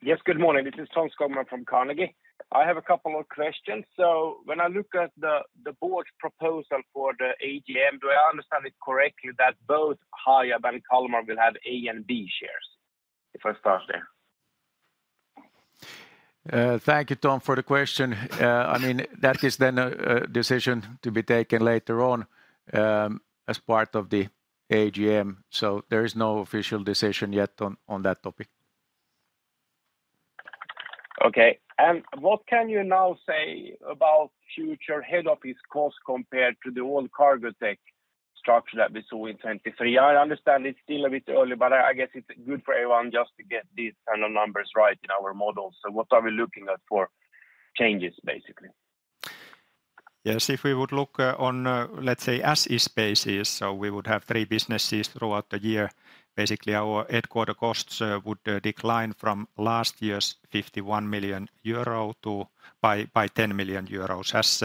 Yes, good morning. This is Tom Skogman from Carnegie. I have a couple of questions. So when I look at the board proposal for the AGM, do I understand it correctly that both Hiab and Kalmar will have A and B shares? If I start there. Thank you, Tom, for the question. I mean, that is then a decision to be taken later on, as part of the AGM, so there is no official decision yet on that topic. Okay. And what can you now say about future head office costs compared to the old Cargotec structure that we saw in 2023? I understand it's still a bit early, but I, I guess it's good for everyone just to get these kind of numbers right in our models. So what are we looking at for changes, basically? Yes, if we would look on, let's say, as is basis, so we would have three businesses throughout the year. Basically, our headquarters costs would decline from last year's 51 million euro to—by 10 million euros. As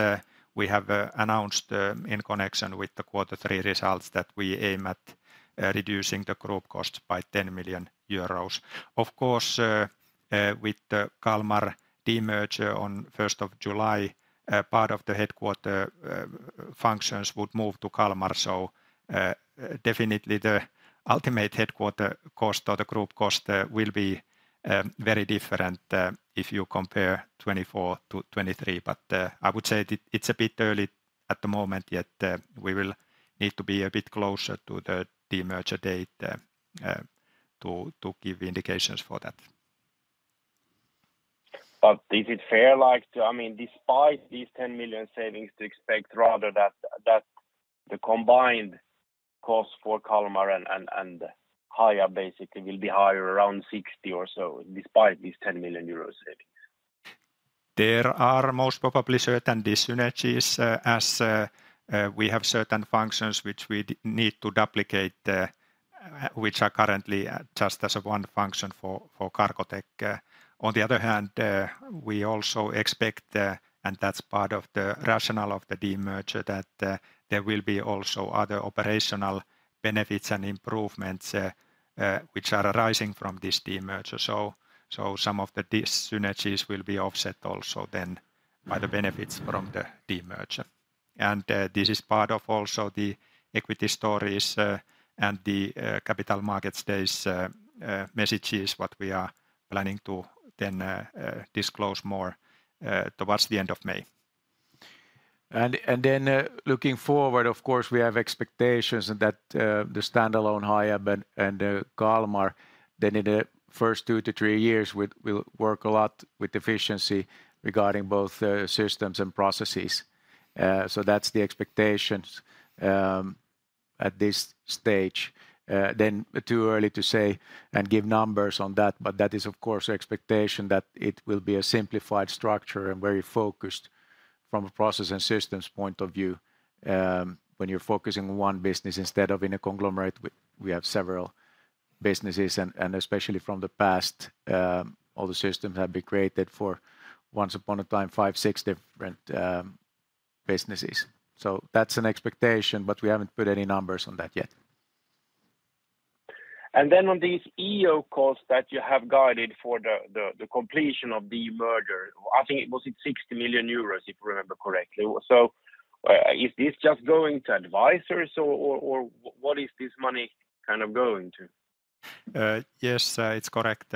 we have announced in connection with the quarter three results, that we aim at reducing the group costs by 10 million euros. Of course, with the Kalmar demerger on first of July, part of the headquarters functions would move to Kalmar, so definitely the ultimate headquarters cost or the group cost will be very different if you compare 2024 to 2023. But I would say it, it's a bit early at the moment, yet we will need to be a bit closer to the demerger date to give indications for that. Is it fair, like, to, I mean, despite these 10 million savings, to expect rather that the combined costs for Kalmar and Hiab basically will be higher, around 60 million or so, despite these 10 million euros savings? There are most probably certain dyssynergies, as we have certain functions which we need to duplicate, which are currently just as one function for Cargotec. On the other hand, we also expect, and that's part of the rationale of the demerger, that there will be also other operational benefits and improvements which are arising from this demerger. So, some of the dyssynergies will be offset also then by the benefits from the demerger. And, this is part of also the equity stories, and the Capital Markets Days messages, what we are planning to then disclose more towards the end of May. Then, looking forward, of course, we have expectations that the standalone Hiab and Kalmar, then in the first two to three years, we will work a lot with efficiency regarding both systems and processes. So that's the expectations at this stage. Then too early to say and give numbers on that, but that is, of course, the expectation that it will be a simplified structure and very focused from a process and systems point of view. When you're focusing on one business instead of in a conglomerate, we have several businesses, and especially from the past, all the systems have been created for once upon a time, five, six different businesses. So that's an expectation, but we haven't put any numbers on that yet. Then on these EO costs that you have guided for the completion of the demerger, I think it was 60 million euros, if I remember correctly. So, is this just going to advisors, or what is this money kind of going to? Yes, it's correct.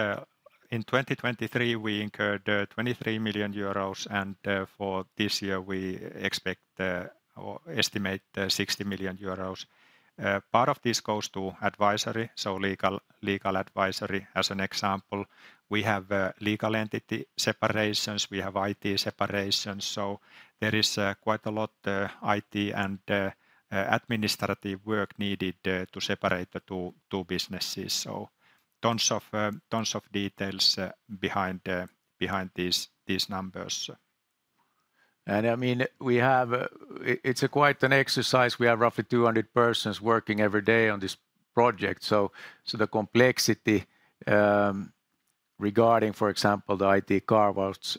In 2023, we incurred 23 million euros, and for this year, we expect or estimate 60 million euros. Part of this goes to advisory, so legal, legal advisory, as an example. We have legal entity separations, we have IT separations, so there is quite a lot IT and administrative work needed to separate the two businesses. So tons of details behind these numbers. I mean, we have, it's a quite an exercise. We have roughly 200 persons working every day on this project, so the complexity, regarding, for example, the IT carve-outs,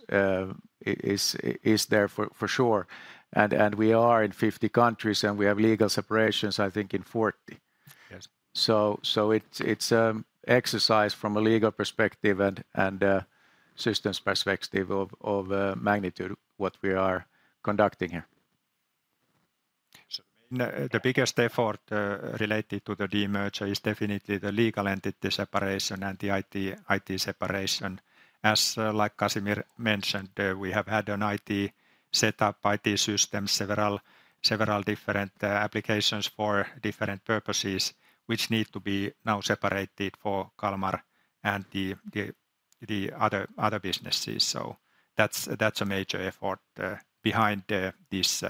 is there for sure. And we are in 50 countries, and we have legal separations, I think, in 40. Yes. So it's exercise from a legal perspective and systems perspective of magnitude, what we are conducting here. So the biggest effort related to the demerger is definitely the legal entity separation and the IT-IT separation. As, like Casimir mentioned, we have had an IT set up, IT systems, several different applications for different purposes, which need to be now separated for Kalmar and the other businesses. So that's a major effort behind this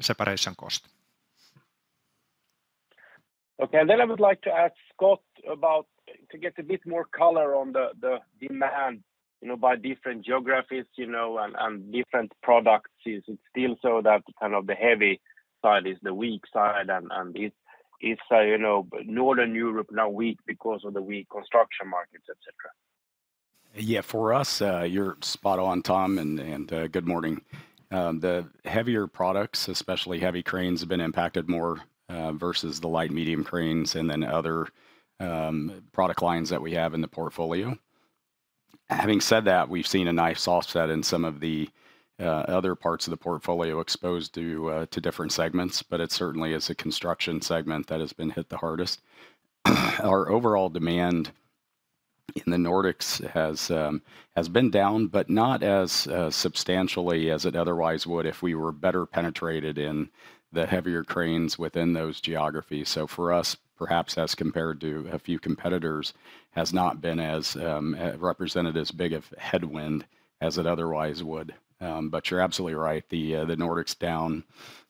separation cost. Okay. And then I would like to ask Scott about, to get a bit more color on the demand, you know, by different geographies, you know, and different products. Is it still so that kind of the heavy side is the weak side, and is, you know, Northern Europe now weak because of the weak construction markets, et cetera? Yeah, for us, you're spot on, Tom, and good morning. The heavier products, especially heavy cranes, have been impacted more versus the light, medium cranes and then other product lines that we have in the portfolio. Having said that, we've seen a nice offset in some of the other parts of the portfolio exposed to different segments, but it certainly is a construction segment that has been hit the hardest. Our overall demand in the Nordics has been down, but not as substantially as it otherwise would if we were better penetrated in the heavier cranes within those geographies. So for us, perhaps as compared to a few competitors, has not been as represented as big of a headwind as it otherwise would. But you're absolutely right, the Nordics down.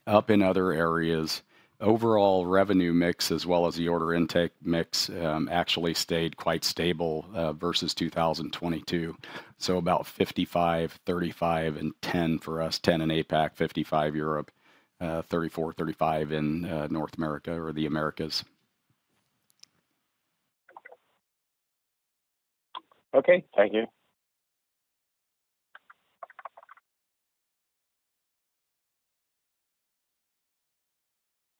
Up in other areas, overall revenue mix, as well as the order intake mix, actually stayed quite stable versus 2022. So about 55, 35, and 10 for us. 10 in APAC, 55 Europe, 34-35 in North America or the Americas. Okay, thank you.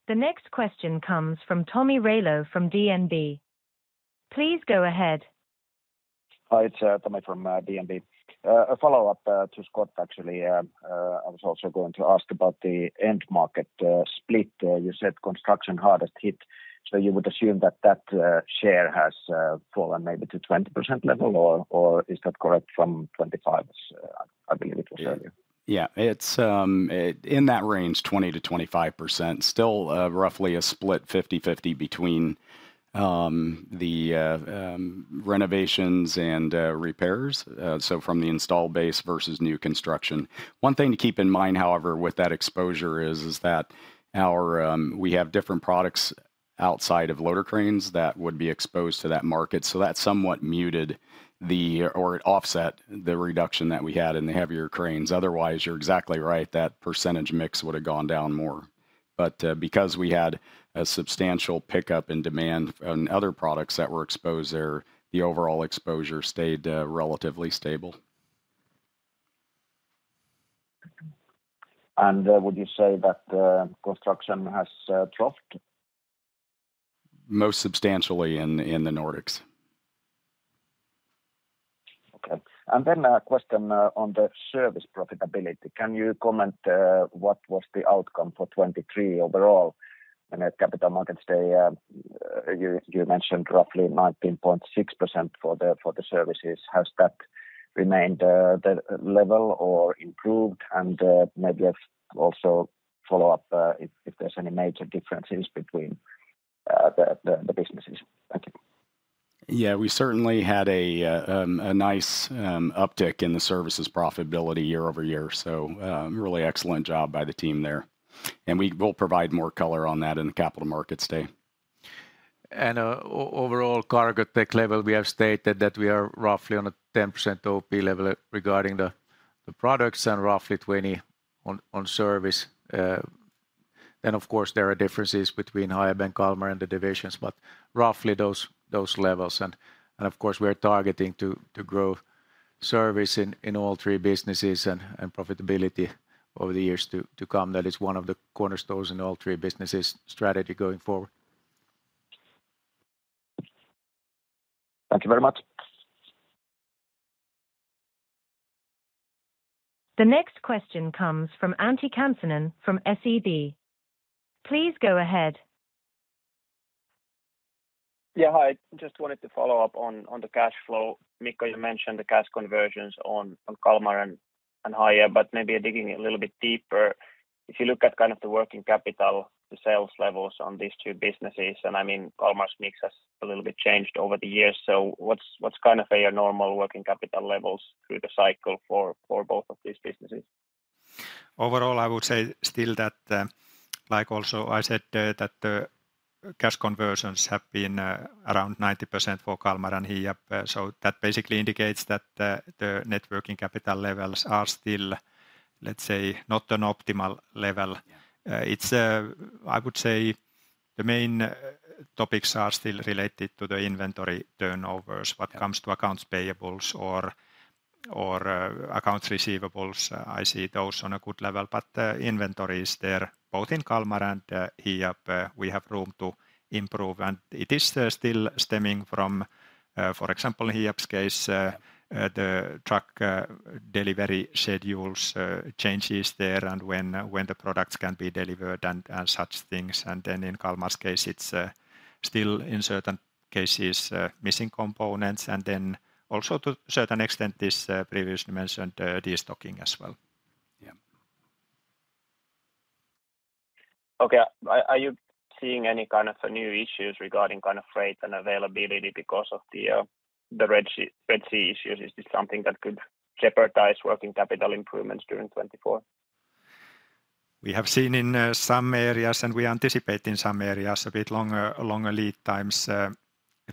The next question comes from Tomi Railo from DNB. Please go ahead. Hi, it's Tomi from DNB. A follow-up to Scott, actually. I was also going to ask about the end market split. You said construction hardest hit, so you would assume that that share has fallen maybe to 20% level or- or is that correct from 25, I believe it was earlier? Yeah. It's in that range, 20%-25%. Still, roughly a split 50/50 between the renovations and repairs, so from the installed base versus new construction. One thing to keep in mind, however, with that exposure is that our, we have different products outside of loader cranes that would be exposed to that market, so that somewhat muted the, or it offset the reduction that we had in the heavier cranes. Otherwise, you're exactly right, that percentage mix would have gone down more. But because we had a substantial pickup in demand on other products that were exposed there, the overall exposure stayed relatively stable. Would you say that the construction has dropped? Most substantially in the Nordics. Okay. And then a question on the service profitability. Can you comment what was the outcome for 2023 overall? In the Capital Markets Day, you mentioned roughly 19.6% for the services. Has that remained the level or improved? And maybe if also follow up, if there's any major differences between the businesses. Thank you. Yeah. We certainly had a nice uptick in the services profitability year-over-year, so really excellent job by the team there. We will provide more color on that in the Capital Markets Day. Overall, Cargotec level, we have stated that we are roughly on a 10% OP level regarding the products, and roughly 20% on service. Of course, there are differences between Hiab and Kalmar and the divisions, but roughly those levels. And of course, we are targeting to grow service in all three businesses and profitability over the years to come. That is one of the cornerstones in all three businesses' strategy going forward. Thank you very much. The next question comes from Antti Kansanen from SEB. Please go ahead. Yeah, hi. Just wanted to follow up on the cash flow. Mikko, you mentioned the cash conversions on Kalmar and Hiab, but maybe digging a little bit deeper. If you look at kind of the working capital, the sales levels on these two businesses, and I mean, Kalmar's mix has a little bit changed over the years. So what's kind of your normal working capital levels through the cycle for both of these businesses? Overall, I would say still that, like also I said, that the cash conversions have been around 90% for Kalmar and Hiab. So that basically indicates that the net working capital levels are still, let's say, not an optimal level. Yeah. It's, I would say, the main topics are still related to the inventory turnovers— Yeah What comes to accounts payables or accounts receivables. I see those on a good level, but inventory is there both in Kalmar and Hiab. We have room to improve, and it is still stemming from, for example, Hiab's case, the truck delivery schedules changes there, and when the products can be delivered and such things. And then in Kalmar's case, it's still in certain cases missing components, and then also to a certain extent, this previously mentioned destocking as well. Yeah. Okay. Are you seeing any kind of new issues regarding kind of freight and availability because of the Red Sea issues? Is this something that could jeopardize working capital improvements during 2024? We have seen in some areas, and we anticipate in some areas, a bit longer, longer lead times,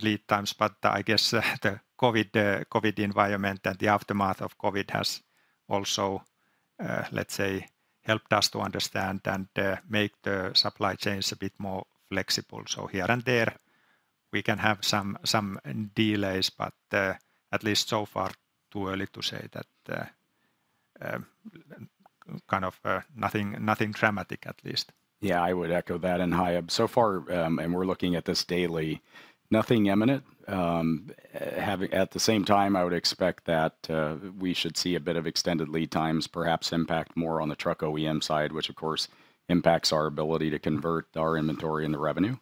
lead times. But I guess, the COVID, COVID environment and the aftermath of COVID has also let's say, helped us to understand and make the supply chains a bit more flexible. So here and there, we can have some delays, but at least so far, too early to say that kind of nothing dramatic, at least. Yeah, I would echo that in Hiab. So far, and we're looking at this daily, nothing imminent. At the same time, I would expect that we should see a bit of extended lead times, perhaps impact more on the truck OEM side, which of course impacts our ability to convert our inventory into revenue.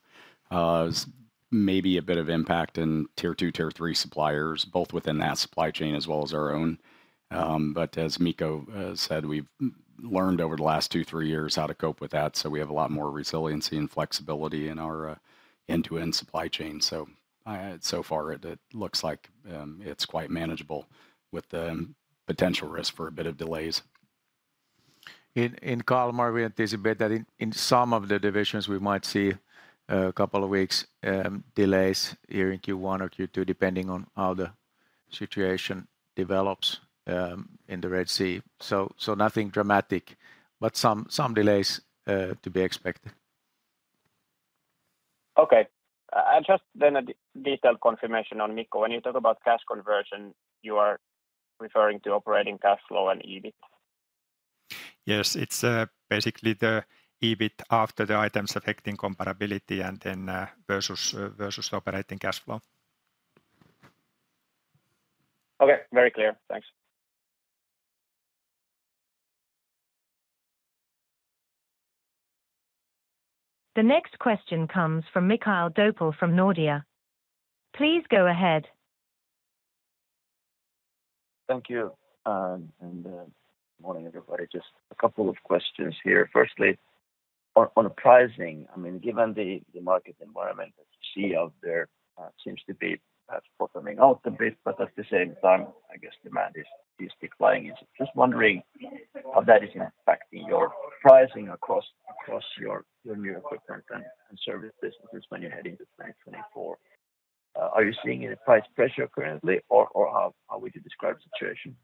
Maybe a bit of impact in Tier 2, Tier 3 suppliers, both within that supply chain as well as our own. But as Mikko said, we've learned over the last two, three years how to cope with that, so we have a lot more resiliency and flexibility in our end-to-end supply chain. So, so far it looks like it's quite manageable with the potential risk for a bit of delays. In Kalmar, we anticipate that in some of the divisions, we might see a couple of weeks delays here in Q1 or Q2, depending on how the situation develops in the Red Sea. So nothing dramatic, but some delays to be expected. Okay. And just then a detailed confirmation on Mikko. When you talk about cash conversion, you are referring to operating cash flow and EBIT? Yes. It's basically the EBIT after the items affecting comparability and then versus operating cash flow. Okay. Very clear. Thanks. The next question comes from Mikael Doepel from Nordea. Please go ahead. Thank you and morning, everybody. Just a couple of questions here. Firstly, on pricing, I mean, given the market environment that you see out there, seems to be bottoming out a bit, but at the same time, I guess demand is declining. Just wondering how that is impacting your pricing across your new equipment and service businesses when you're heading to 2024. Are you seeing any price pressure currently, or how would you describe the situation?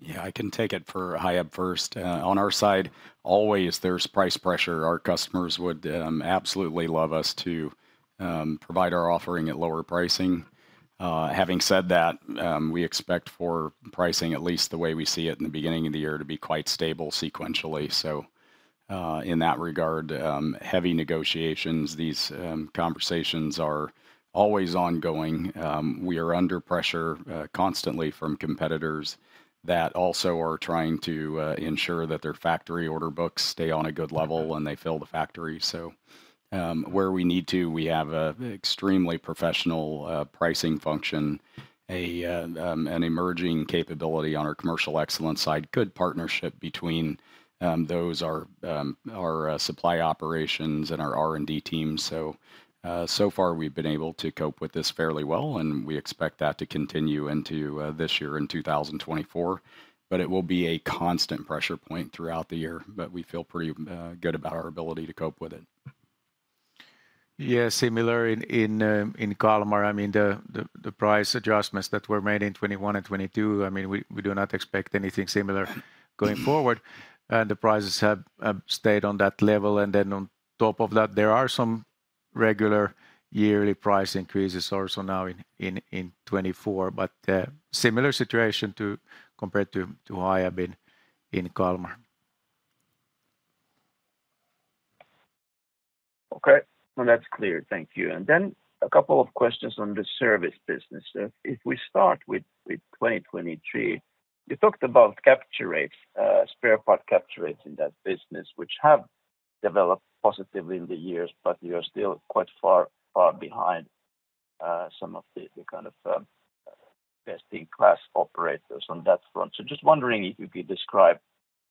Yeah, I can take it for Hiab first. On our side, always there's price pressure. Our customers would absolutely love us to provide our offering at lower pricing. Having said that, we expect for pricing, at least the way we see it in the beginning of the year, to be quite stable sequentially. So, in that regard, heavy negotiations, these conversations are always ongoing. We are under pressure constantly from competitors that also are trying to ensure that their factory order books stay on a good level and they fill the factory. So, where we need to, we have a extremely professional pricing function, an emerging capability on our commercial excellence side, good partnership between those our supply operations and our R&D team. So far we've been able to cope with this fairly well, and we expect that to continue into this year in 2024. But it will be a constant pressure point throughout the year, but we feel pretty good about our ability to cope with it. Yeah, similar in Kalmar. I mean, the price adjustments that were made in 2021 and 2022, I mean, we do not expect anything similar going forward. And the prices have stayed on that level, and then on top of that, there are some regular yearly price increases also now in 2024. But, similar situation to compared to Hiab in Kalmar. Okay. Well, that's clear. Thank you. And then a couple of questions on the service business. If we start with 2023, you talked about capture rates, spare part capture rates in that business, which have developed positively in the years, but you are still quite far behind some of the kind of best-in-class operators on that front. So just wondering if you could describe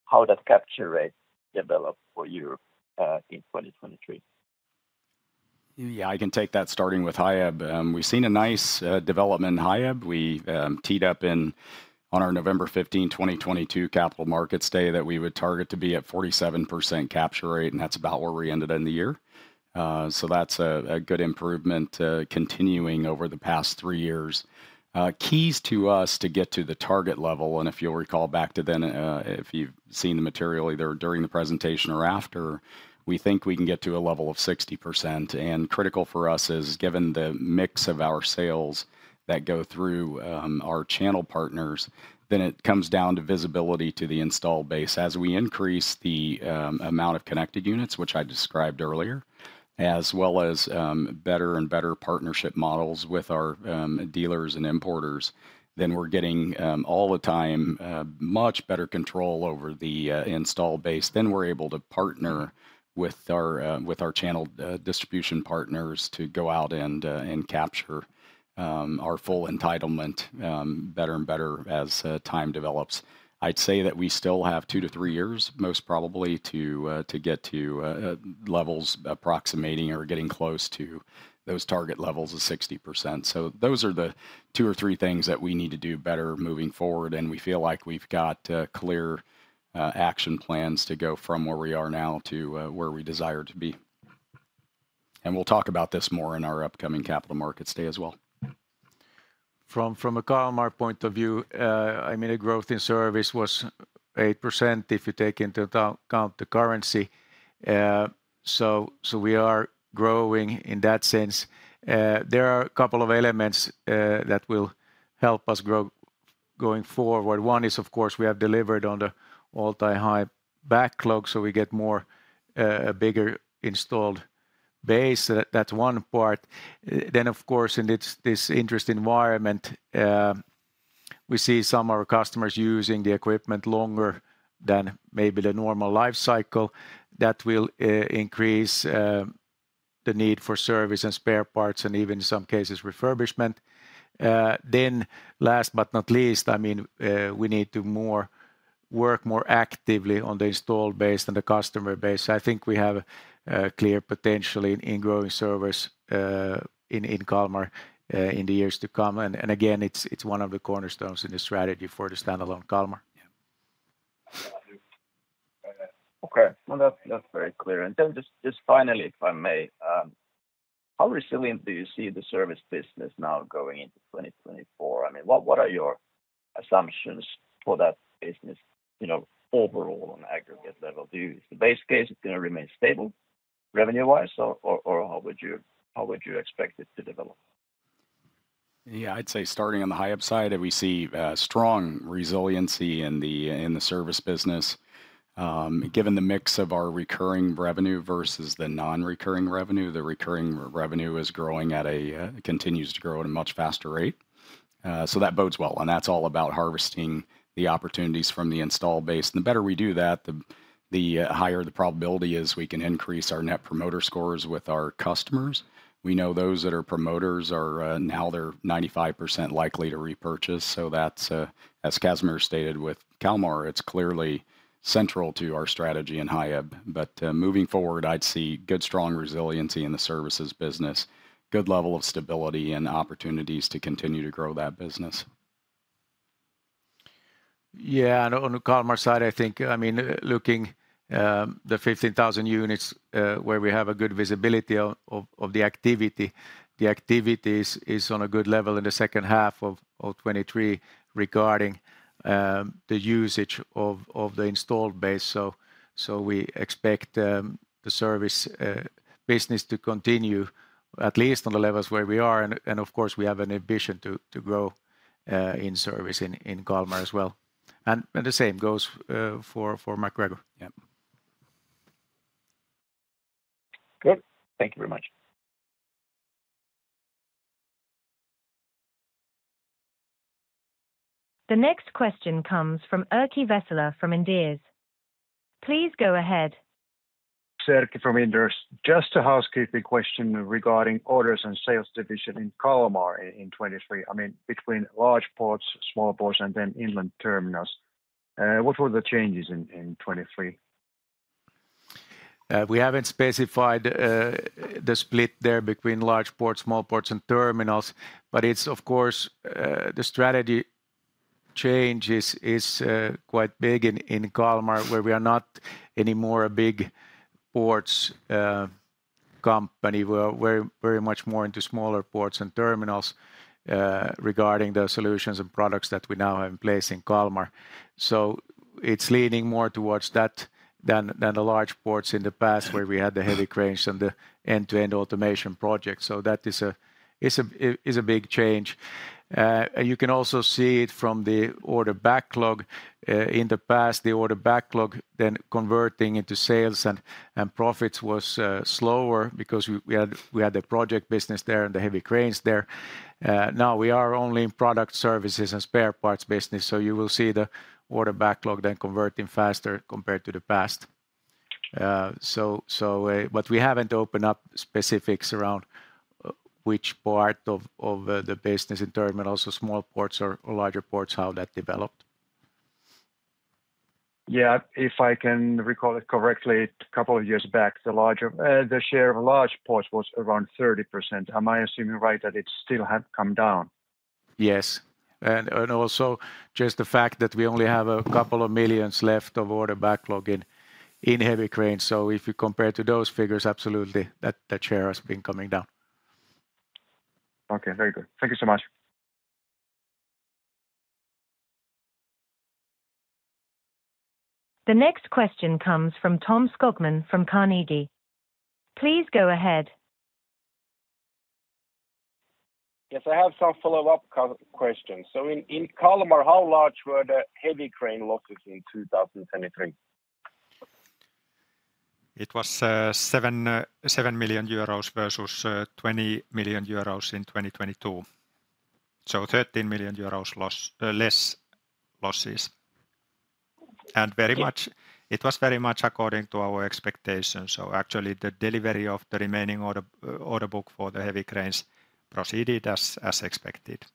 how that capture rate developed for you in 2023. Yeah, I can take that, starting with Hiab. We've seen a nice development in Hiab. We teed up on our November 15, 2022, Capital Markets Day, that we would target to be at 47% capture rate, and that's about where we ended in the year. So that's a good improvement continuing over the past three years. Keys to us to get to the target level, and if you'll recall back to then, if you've seen the material either during the presentation or after, we think we can get to a level of 60%. And critical for us is, given the mix of our sales that go through our channel partners, then it comes down to visibility to the installed base. As we increase the amount of connected units, which I described earlier, as well as better and better partnership models with our dealers and importers, then we're getting all the time much better control over the installed base. Then we're able to partner with our channel distribution partners to go out and capture our full entitlement better and better as time develops. I'd say that we still have 2-3 years, most probably, to get to levels approximating or getting close to those target levels of 60%. So those are the 2-3 things that we need to do better moving forward, and we feel like we've got clear action plans to go from where we are now to where we desire to be. We'll talk about this more in our upcoming Capital Markets Day as well. From a Kalmar point of view, I mean, the growth in service was 8% if you take into account the currency. So we are growing in that sense. There are a couple of elements that will help us grow going forward. One is, of course, we have delivered on the all-time high backlog, so we get more, a bigger installed base. That's one part. Then, of course, in this interest environment, we see some of our customers using the equipment longer than maybe the normal life cycle. That will increase the need for service and spare parts, and even in some cases, refurbishment. Then last but not least, I mean, we need to work more actively on the installed base and the customer base. I think we have clear potential in growing service in Kalmar in the years to come. And again, it's one of the cornerstones in the strategy for the standalone Kalmar. Yeah. Okay. Well, that's, that's very clear. And then just, just finally, if I may, how resilient do you see the service business now going into 2024? I mean, what, what are your assumptions for that business, you know, overall on aggregate level? Do you, is the base case, it's gonna remain stable revenue-wise, or, or, or how would you, how would you expect it to develop? Yeah, I'd say starting on the Hiab side, that we see strong resiliency in the service business. Given the mix of our recurring revenue versus the non-recurring revenue, the recurring revenue is growing at a, it continues to grow at a much faster rate. So that bodes well, and that's all about harvesting the opportunities from the installed base. The better we do that, the higher the probability is we can increase our Net Promoter Scores with our customers. We know those that are promoters are now they're 95% likely to repurchase. So that's, as Casimir stated, with Kalmar, it's clearly central to our strategy and Hiab. But moving forward, I'd see good, strong resiliency in the services business, good level of stability and opportunities to continue to grow that business. Yeah, and on the Kalmar side, I think, I mean, looking the fifteen thousand units, where we have a good visibility of the activity, the activities is on a good level in the second half of 2023, regarding the usage of the installed base. So we expect the service business to continue at least on the levels where we are, and of course, we have an ambition to grow in service in Kalmar as well. And the same goes for MacGregor. Yeah. Good. Thank you very much. The next question comes from Erkki Vesola from Inderes. Please go ahead. It's Erkki from Inderes. Just a housekeeping question regarding orders and sales division in Kalmar in 2023. I mean, between large ports, small ports, and then inland terminals, what were the changes in 2023? We haven't specified the split there between large ports, small ports, and terminals, but it's of course the strategy change is quite big in Kalmar, where we are not anymore a big ports company. We're very, very much more into smaller ports and terminals regarding the solutions and products that we now have in place in Kalmar. So it's leaning more towards that than the large ports in the past, where we had the heavy cranes and the end-to-end automation project. So that is a big change. You can also see it from the order backlog. In the past, the order backlog then converting into sales and profits was slower because we had the project business there and the heavy cranes there. Now we are only in product services and spare parts business, so you will see the order backlog then converting faster compared to the past. But we haven't opened up specifics around, which part of the business in terminals or small ports or larger ports, how that developed. Yeah, if I can recall it correctly, a couple of years back, the larger, the share of large ports was around 30%. Am I assuming right, that it still had come down? Yes. Also just the fact that we only have a couple of million EUR left of order backlog in heavy cranes. If you compare to those figures, absolutely, that, the share has been coming down. Okay, very good. Thank you so much. The next question comes from Tom Skogman from Carnegie. Please go ahead. Yes, I have some follow-up questions. So in Kalmar, how large were the heavy crane losses in 2023? It was 7 million euros versus 20 million euros in 2022. So 13 million euros loss, less losses. And very much— Yeah. It was very much according to our expectations. Actually, the delivery of the remaining order book for the heavy cranes proceeded as expected.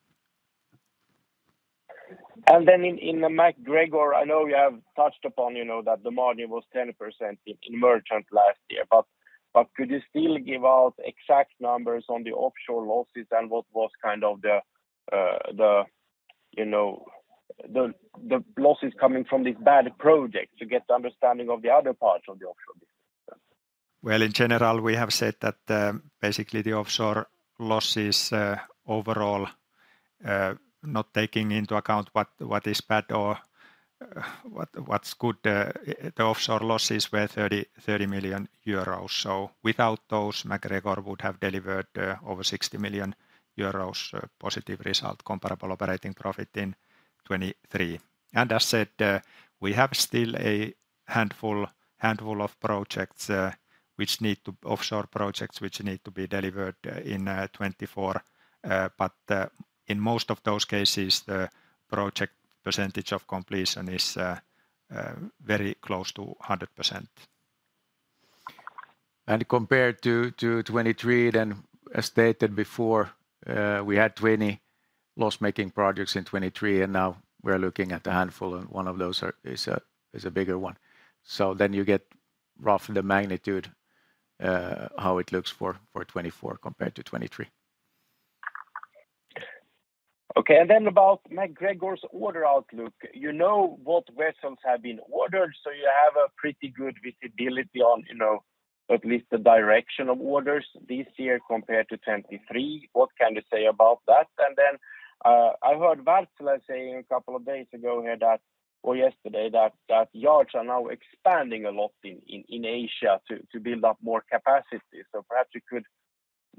Then in the MacGregor, I know you have touched upon, you know, that the margin was 10% in merchant last year, but could you still give out exact numbers on the offshore losses and what was kind of the, you know, the losses coming from these bad projects to get the understanding of the other parts of the offshore business? Well, in general, we have said that, basically, the offshore losses, overall, not taking into account what, what is bad or, what, what's good, the offshore losses were 30 million euros. So without those, MacGregor would have delivered, over 60 million euros positive result, comparable operating profit in 2023. And as said, we have still a handful of projects, which need to, offshore projects, which need to be delivered, in, 2024. But, in most of those cases, the project percentage of completion is, very close to 100%. Compared to 2023, then as stated before, we had 20 loss-making projects in 2023, and now we're looking at a handful, and one of those is a bigger one. So then you get roughly the magnitude, how it looks for 2024 compared to 2023. Okay, and then about MacGregor's order outlook. You know what vessels have been ordered, so you have a pretty good visibility on, you know, at least the direction of orders this year compared to 2023. What can you say about that? And then I heard Wärtsilä saying a couple of days ago here that, or yesterday, that yards are now expanding a lot in Asia to build up more capacity. So perhaps you could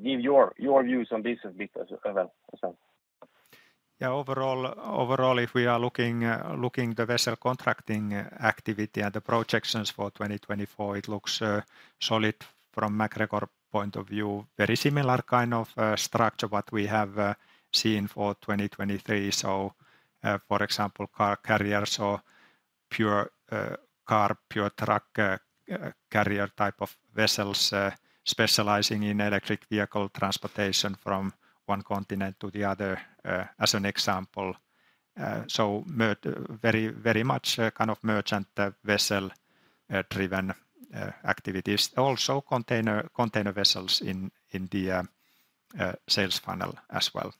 give your views on this a bit as well. Yeah, overall, overall, if we are looking the vessel contracting activity and the projections for 2024, it looks solid from MacGregor point of view. Very similar kind of structure what we have seen for 2023. So, for example, car carriers or pure car pure truck carrier type of vessels specializing in electric vehicle transportation from one continent to the other, as an example. So very, very much kind of merchant vessel driven activities. Also container vessels in the sales funnel as well.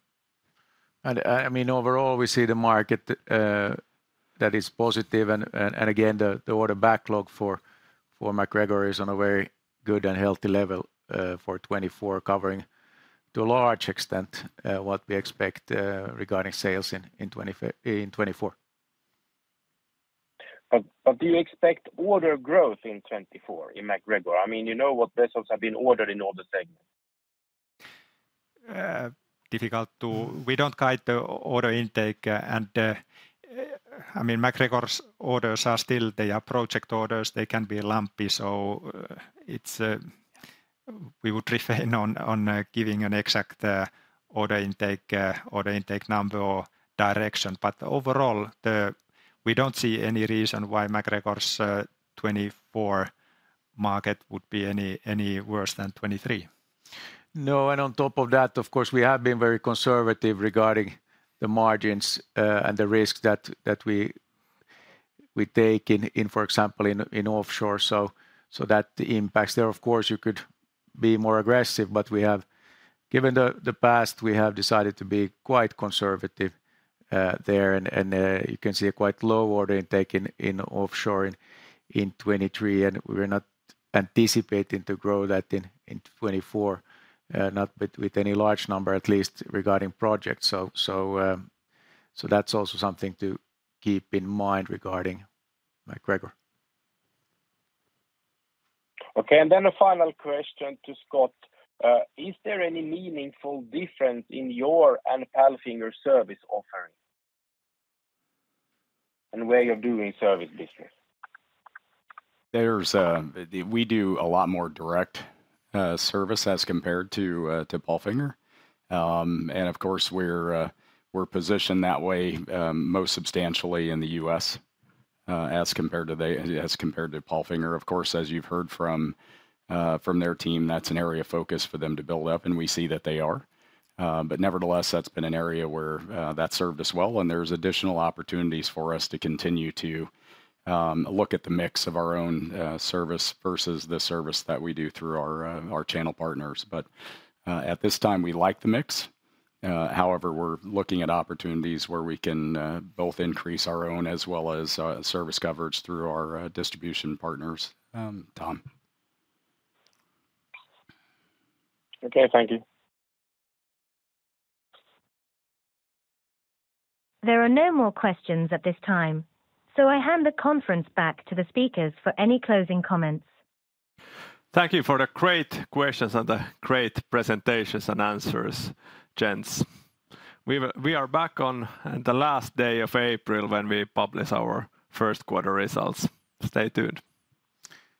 And, I mean, overall, we see the market that is positive, and again, the order backlog for MacGregor is on a very good and healthy level for 2024, covering to a large extent what we expect regarding sales in 2024. But do you expect order growth in 2024 in MacGregor? I mean, you know what vessels have been ordered in all the segments. We don't guide the order intake, and, I mean, MacGregor's orders are still, they are project orders. They can be lumpy, so, it's, we would refrain on, on, giving an exact, order intake, order intake number or direction. But overall, we don't see any reason why MacGregor's 2024 market would be any, any worse than 2023. No, and on top of that, of course, we have been very conservative regarding the margins, and the risks that we take in, for example, in offshore. So that impacts there. Of course, you could be more aggressive, but we have, given the past, we have decided to be quite conservative there, and you can see a quite low order intake in offshore in 2023, and we're not anticipating to grow that in 2024, not with any large number, at least regarding projects. So that's also something to keep in mind regarding MacGregor. Okay, and then a final question to Scott. Is there any meaningful difference in your and Palfinger service offering and way of doing service business? There's we do a lot more direct service as compared to Palfinger. Of course, we're positioned that way most substantially in the U.S., as compared to Palfinger. Of course, as you've heard from their team, that's an area of focus for them to build up, and we see that they are. But nevertheless, that's been an area where that served us well, and there's additional opportunities for us to continue to look at the mix of our own service versus the service that we do through our channel partners. But at this time, we like the mix. However, we're looking at opportunities where we can both increase our own as well as service coverage through our distribution partners. Tom? Okay, thank you. There are no more questions at this time, so I hand the conference back to the speakers for any closing comments. Thank you for the great questions and the great presentations and answers, gents. We are back on the last day of April when we publish our first quarter results. Stay tuned.